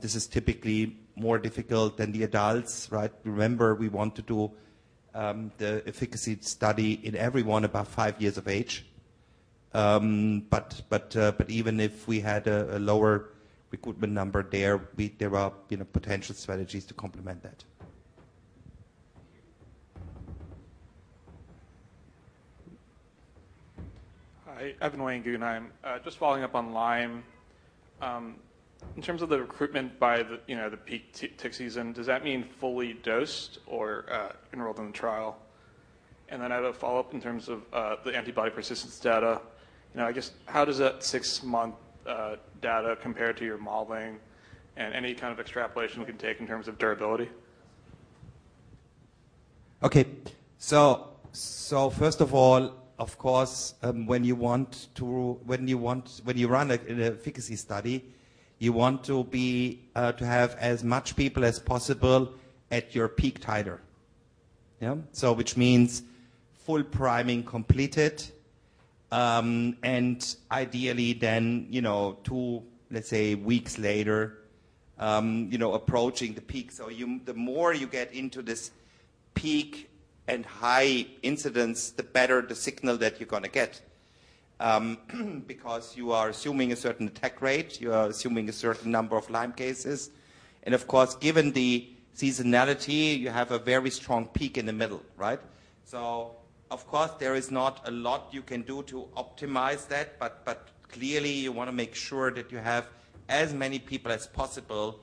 This is typically more difficult than the adults, right? Remember, we want to do, the efficacy study in everyone above five years of age. But even if we had a lower recruitment number there are, you know, potential strategies to complement that. Thank you. Hi. Evan Wang, Guggenheim. just following up on Lyme. in terms of the recruitment by the, you know, the peak tick season, does that mean fully dosed or enrolled in the trial? I have a follow-up in terms of the antibody persistence data. You know, I guess how does that six-month data compare to your modeling and any kind of extrapolation we can take in terms of durability? Okay. First of all, of course, when you want to run an efficacy study, you want to be to have as much people as possible at your peak titer. Yeah. Which means full priming completed, and ideally then, you know, two, let's say, weeks later, you know, approaching the peak. The more you get into this peak and high incidence, the better the signal that you're gonna get, because you are assuming a certain attack rate, you are assuming a certain number of Lyme cases. Of course, given the seasonality, you have a very strong peak in the middle, right? Of course, there is not a lot you can do to optimize that, clearly you want to make sure that you have as many people as possible,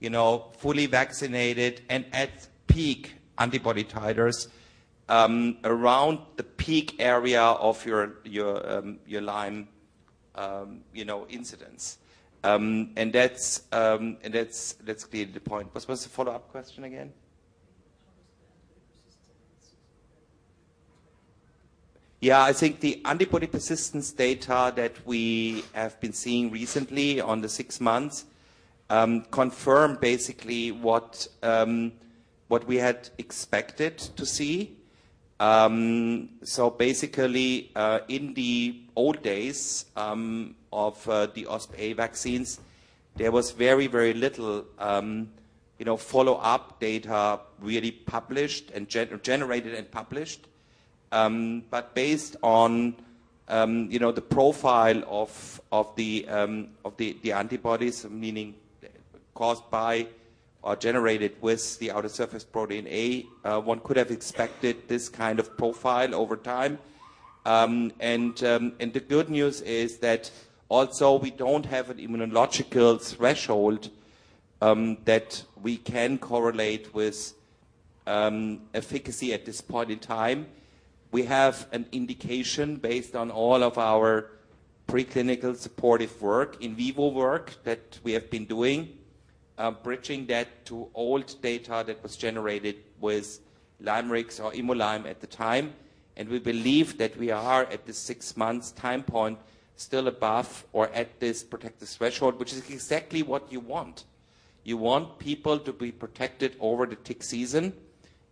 you know, fully vaccinated and at peak antibody titers, around the peak area of your Lyme, you know, incidence. That's clearly the point. What's the follow-up question again? How does the antibody persistence? Yeah, I think the antibody persistence data that we have been seeing recently on the six months, confirm basically what we had expected to see. Basically, in the old days of the OspA vaccines, there was very, very little, you know, follow-up data really generated and published. Based on, you know, the profile of the antibodies, meaning caused by or generated with the outer surface protein A, one could have expected this kind of profile over time. The good news is that also we don't have an immunological threshold that we can correlate with efficacy at this point in time. We have an indication based on all of our preclinical supportive work, in vivo work that we have been doing, bridging that to old data that was generated with LYMErix or ImuLyme at the time. We believe that we are, at the six months time point, still above or at this protective threshold, which is exactly what you want. You want people to be protected over the tick season,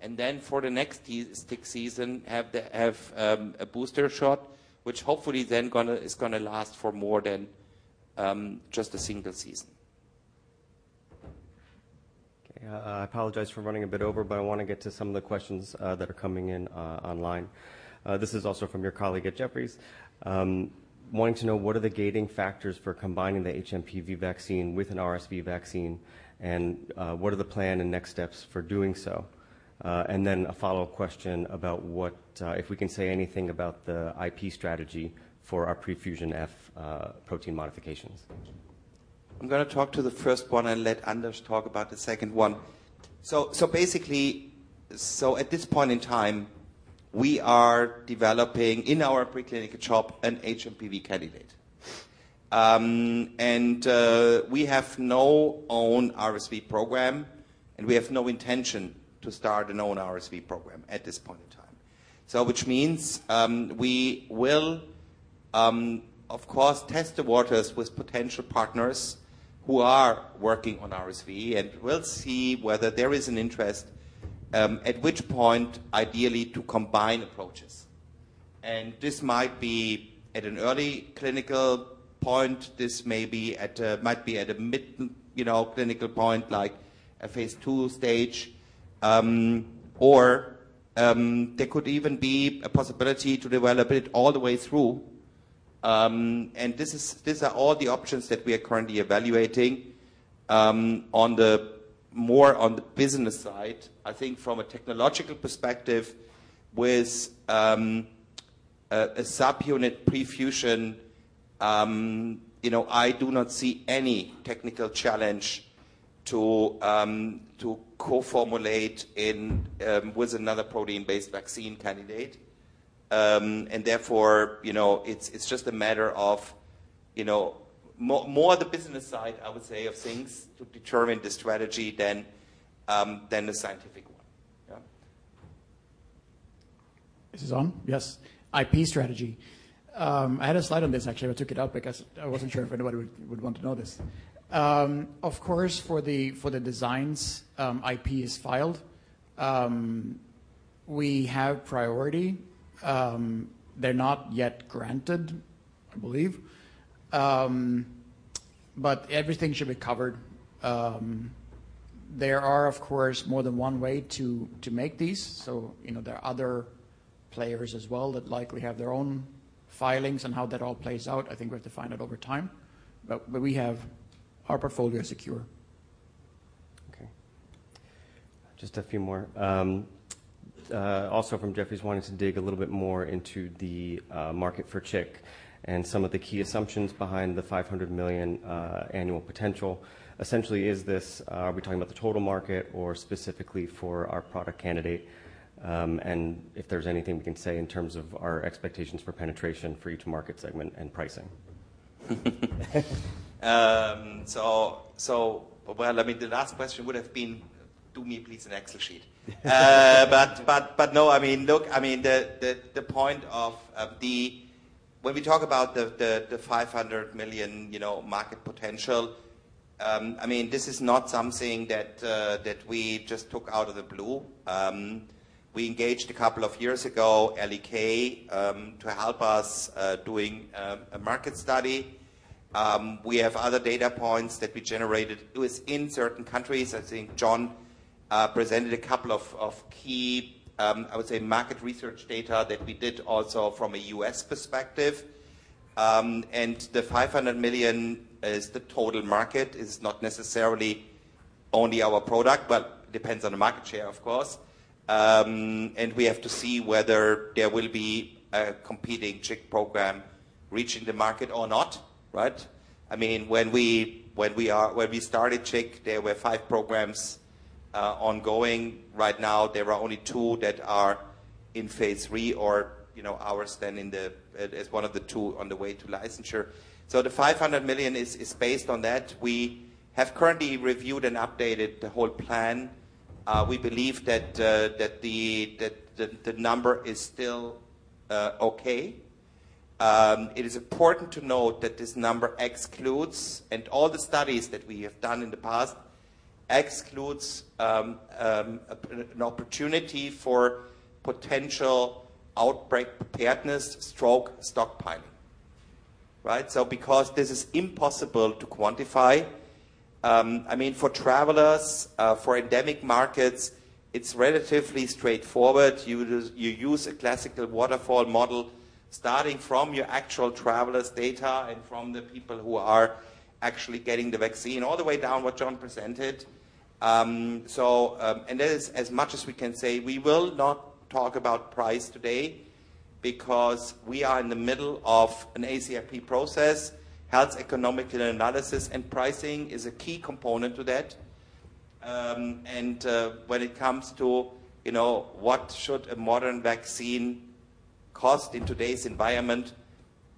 and then for the next tick season, have a booster shot, which hopefully is gonna last for more than, just a single season. Okay. I apologize for running a bit over, but I wanna get to some of the questions that are coming in online. This is also from your colleague at Jefferies. Wanting to know what are the gating factors for combining the hMPV vaccine with an RSV vaccine, and what are the plan and next steps for doing so? Then a follow-up question about what, if we can say anything about the IP strategy for our prefusion F protein modifications? I'm gonna talk to the first one and let Anders talk about the second one. Basically, at this point in time, we are developing in our preclinical chop an hMPV candidate. We have no own RSV program, and we have no intention to start an own RSV program at this point in time. Which means we will, of course, test the waters with potential partners who are working on RSV, and we'll see whether there is an interest at which point, ideally, to combine approaches. This might be at an early clinical point. This may be at a mid, you know, clinical point, like a phase II stage. There could even be a possibility to develop it all the way through. This is, these are all the options that we are currently evaluating, on the, more on the business side. I think from a technological perspective, with a subunit prefusion, you know, I do not see any technical challenge to co-formulate in with another protein-based vaccine candidate. Therefore, you know, it's just a matter of, you know, more the business side, I would say of things to determine the strategy than the scientific one. Yeah. Is this on? Yes. IP strategy. I had a slide on this actually. I took it out because I wasn't sure if anybody would want to know this. Of course, for the designs, IP is filed. We have priority. They're not yet granted, I believe. Everything should be covered. There are, of course, more than one way to make these. You know, there are other players as well that likely have their own filings and how that all plays out, I think we have to find out over time. We have our portfolio secure. Okay. Just a few more. Also from Jefferies, wanting to dig a little bit more into the market for chikungunya and some of the key assumptions behind the 500 million annual potential. Essentially, is this, are we talking about the total market or specifically for our product candidate? If there's anything we can say in terms of our expectations for penetration for each market segment and pricing? e last question would have been, do me please an Excel sheet. But no, I mean, look, I mean, the point of the... When we talk about the 500 million, you know, market potential, I mean, this is not something that we just took out of the blue. We engaged a couple of years ago, L.E.K. Consulting, to help us doing a market study. We have other data points that we generated within certain countries. I think John presented a couple of key, I would say, market research data that we did also from a U.S. perspective. And the 500 million is the total market. It's not necessarily only our product, but depends on the market share, of course. We have to see whether there will be a competing chik program reaching the market or not, right. I mean, when we started chik, there were five programs ongoing. Right now, there are only two that are in phase III or, you know, ours then in the, as one of the two on the way to licensure. The 500 million is based on that. We have currently reviewed and updated the whole plan. We believe that the number is still okay. It is important to note that this number excludes, and all the studies that we have done in the past excludes an opportunity for potential outbreak preparedness/stockpiling, right. Because this is impossible to quantify, I mean, for travelers, for endemic markets, it's relatively straightforward. You just use a classical waterfall model starting from your actual travelers data and from the people who are actually getting the vaccine all the way down what John presented. As much as we can say, we will not talk about price today because we are in the middle of an ACIP process, health economic analysis, and pricing is a key component to that. When it comes to, you know, what should a modern vaccine cost in today's environment,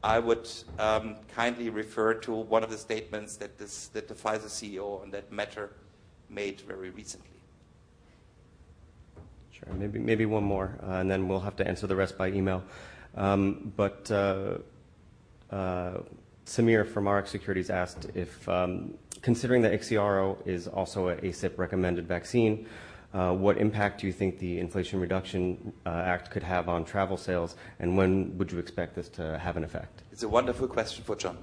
I would kindly refer to one of the statements that the Pfizer CEO on that matter made very recently. Sure. Maybe one more, and then we'll have to answer the rest by email. Samir from Rx Securities asked if considering that IXIARO is also an ACIP-recommended vaccine, what impact do you think the Inflation Reduction Act could have on travel sales, and when would you expect this to have an effect? It's a wonderful question for John.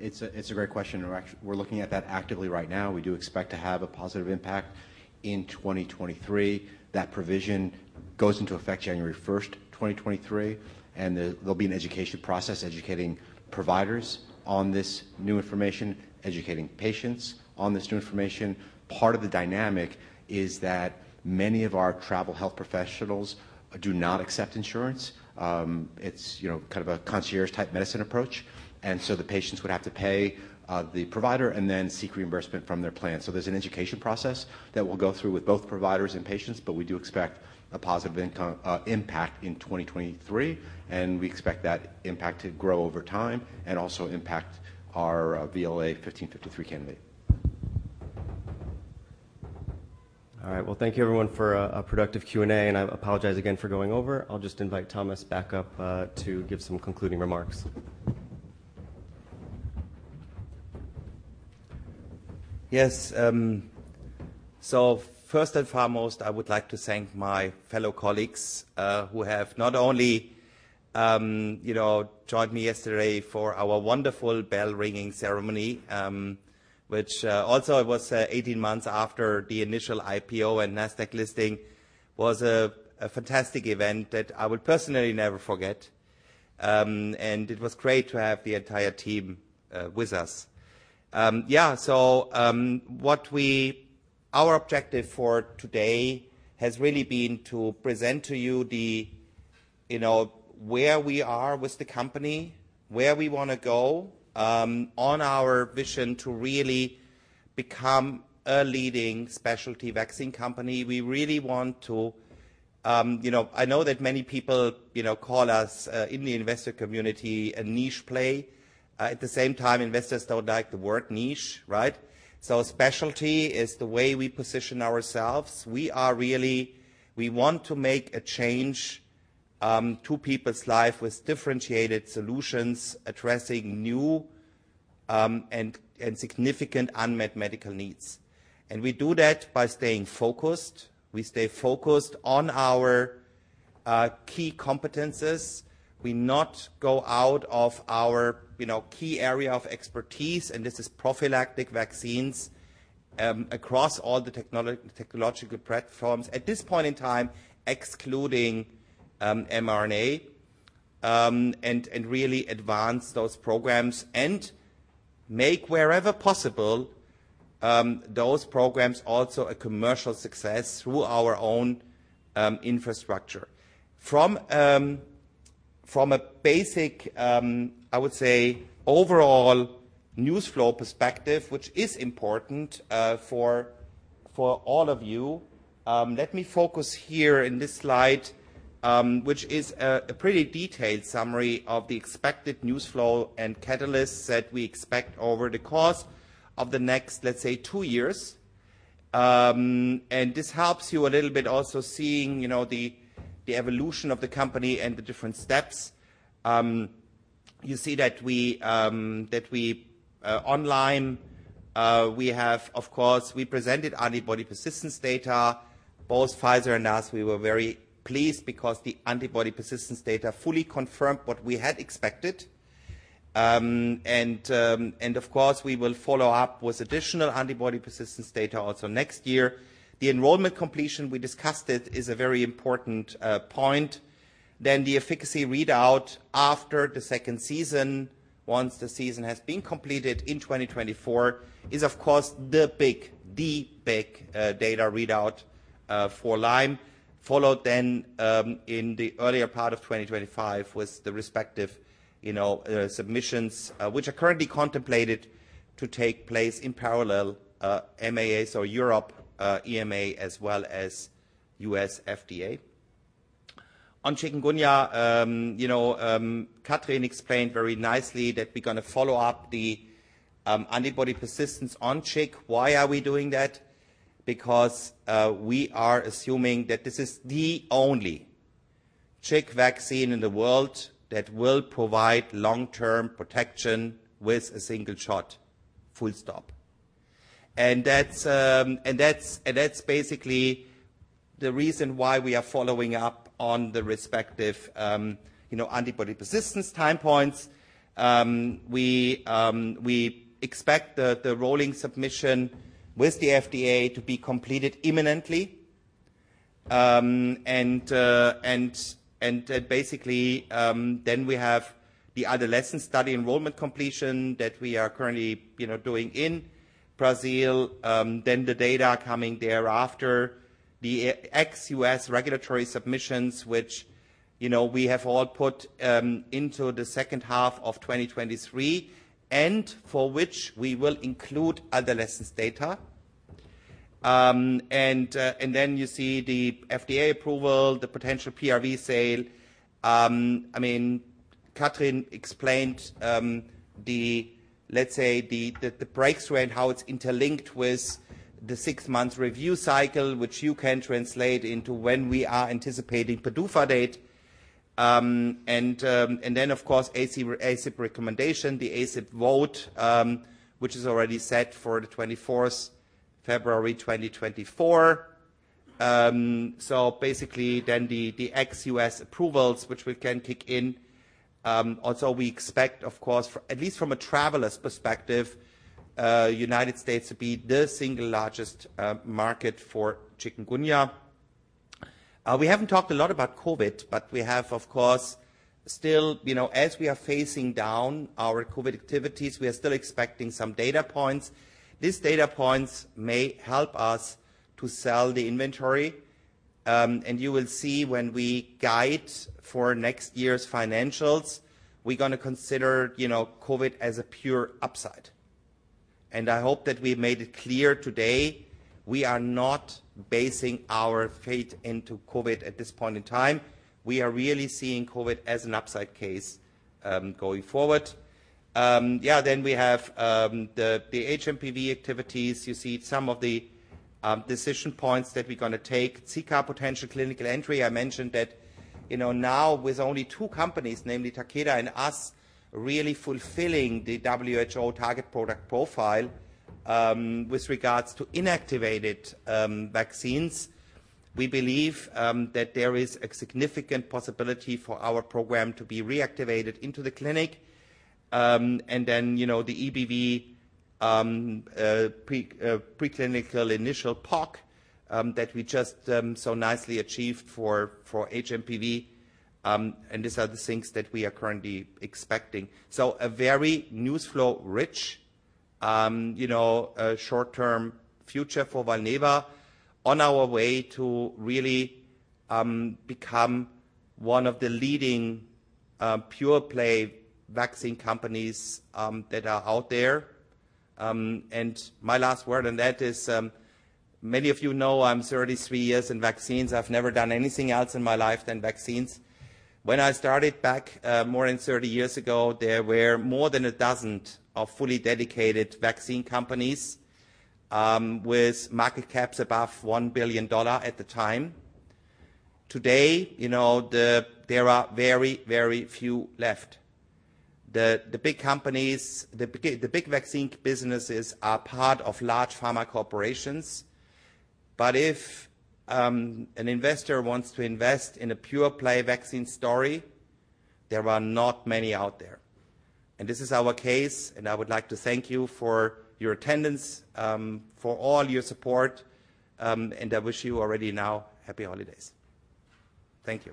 It's a great question. We're looking at that actively right now. We do expect to have a positive impact in 2023. That provision. Goes into effect January 1st, 2023. There, there'll be an education process educating providers on this new information, educating patients on this new information. Part of the dynamic is that many of our travel health professionals do not accept insurance. It's, you know, kind of a concierge-type medicine approach. The patients would have to pay the provider and then seek reimbursement from their plan. There's an education process that we'll go through with both providers and patients, but we do expect a positive impact in 2023, and we expect that impact to grow over time and also impact our VLA1553 candidate. All right. Well, thank you everyone for a productive Q&A. I apologize again for going over. I'll just invite Thomas back up to give some concluding remarks. Yes. First and foremost, I would like to thank my fellow colleagues, who have not only, you know, joined me yesterday for our wonderful bell-ringing ceremony, which also it was 18 months after the initial IPO and Nasdaq listing, was a fantastic event that I will personally never forget. It was great to have the entire team with us. Yeah, Our objective for today has really been to present to you the, you know, where we are with the company, where we wanna go, on our vision to really become a leading specialty vaccine company. We really want to, you know, I know that many people, you know, call us, in the investor community a niche play. At the same time, investors don't like the word niche, right? Specialty is the way we position ourselves. We want to make a change to people's life with differentiated solutions, addressing new and significant unmet medical needs. We do that by staying focused. We stay focused on our key competencies. We not go out of our, you know, key area of expertise, and this is prophylactic vaccines, across all the technological platforms. At this point in time, excluding mRNA, and really advance those programs and make wherever possible, those programs also a commercial success through our own infrastructure. From a basic, I would say, overall news flow perspective, which is important for all of you, let me focus here in this slide, which is a pretty detailed summary of the expected news flow and catalysts that we expect over the course of the next, let's say, two years. This helps you a little bit also seeing, you know, the evolution of the company and the different steps. You see that we on Lyme, we have, of course, we presented antibody persistence data. Both Pfizer and us, we were very pleased because the antibody persistence data fully confirmed what we had expected. Of course, we will follow up with additional antibody persistence data also next year. The enrollment completion, we discussed it, is a very important point. The efficacy readout after the second season, once the season has been completed in 2024, is of course the big data readout for Lyme. Followed in the earlier part of 2025 with the respective, you know, submissions, which are currently contemplated to take place in parallel, MAA, so Europe, EMA, as well as U.S. FDA. On chikungunya, you know, Katrin explained very nicely that we're gonna follow up the antibody persistence on chik. Why are we doing that? Because we are assuming that this is the only chik vaccine in the world that will provide long-term protection with a single shot, full stop. That's basically the reason why we are following up on the respective, you know, antibody persistence time points. We expect the rolling submission with the FDA to be completed imminently. We have the adolescent study enrollment completion that we are currently, you know, doing in Brazil. The data coming thereafter. The ex-U.S. regulatory submissions, which, you know, we have all put into the second half of 2023, and for which we will include adolescence data. You see the FDA approval, the potential PRV sale. I mean, Katrin explained the, let's say, the breakthrough and how it's interlinked with the six-month review cycle, which you can translate into when we are anticipating PDUFA date. Of course, ACIP recommendation, the ACIP vote, which is already set for February 24, 2024. Basically then the ex-U.S. approvals, which we can kick in. Also we expect, of course, at least from a traveler's perspective, United States to be the single largest market for chikungunya. We haven't talked a lot about COVID, but we have, of course, still, you know, as we are facing down our COVID activities, we are still expecting some data points. These data points may help us to sell the inventory. You will see when we guide for next year's financials, we're gonna consider, you know, COVID as a pure upside. And I hope that we've made it clear today, we are not basing our fate into COVID at this point in time. We are really seeing COVID as an upside case going forward. We have the hMPV activities. You see some of the decision points that we're gonna take. Zika potential clinical entry. I mentioned that, you know, now with only two companies, namely Takeda and us, really fulfilling the WHO target product profile with regards to inactivated vaccines. We believe that there is a significant possibility for our program to be reactivated into the clinic. You know, the EBV preclinical initial POC that we just so nicely achieved for hMPV, and these are the things that we are currently expecting. A very news flow rich, you know, short-term future for Valneva on our way to really become one of the leading pure-play vaccine companies that are out there. My last word on that is, many of you know I'm 33 years in vaccines. I've never done anything else in my life than vaccines. When I started back, more than 30 years ago, there were more than a dozen of fully dedicated vaccine companies, with market caps above EUR 1 billion at the time. Today, you know, there are very, very few left. The big companies, the big vaccine businesses are part of large pharma corporations. If, an investor wants to invest in a pure-play vaccine story, there are not many out there. This is our case, I would like to thank you for your attendance, for all your support, I wish you already now happy holidays. Thank you.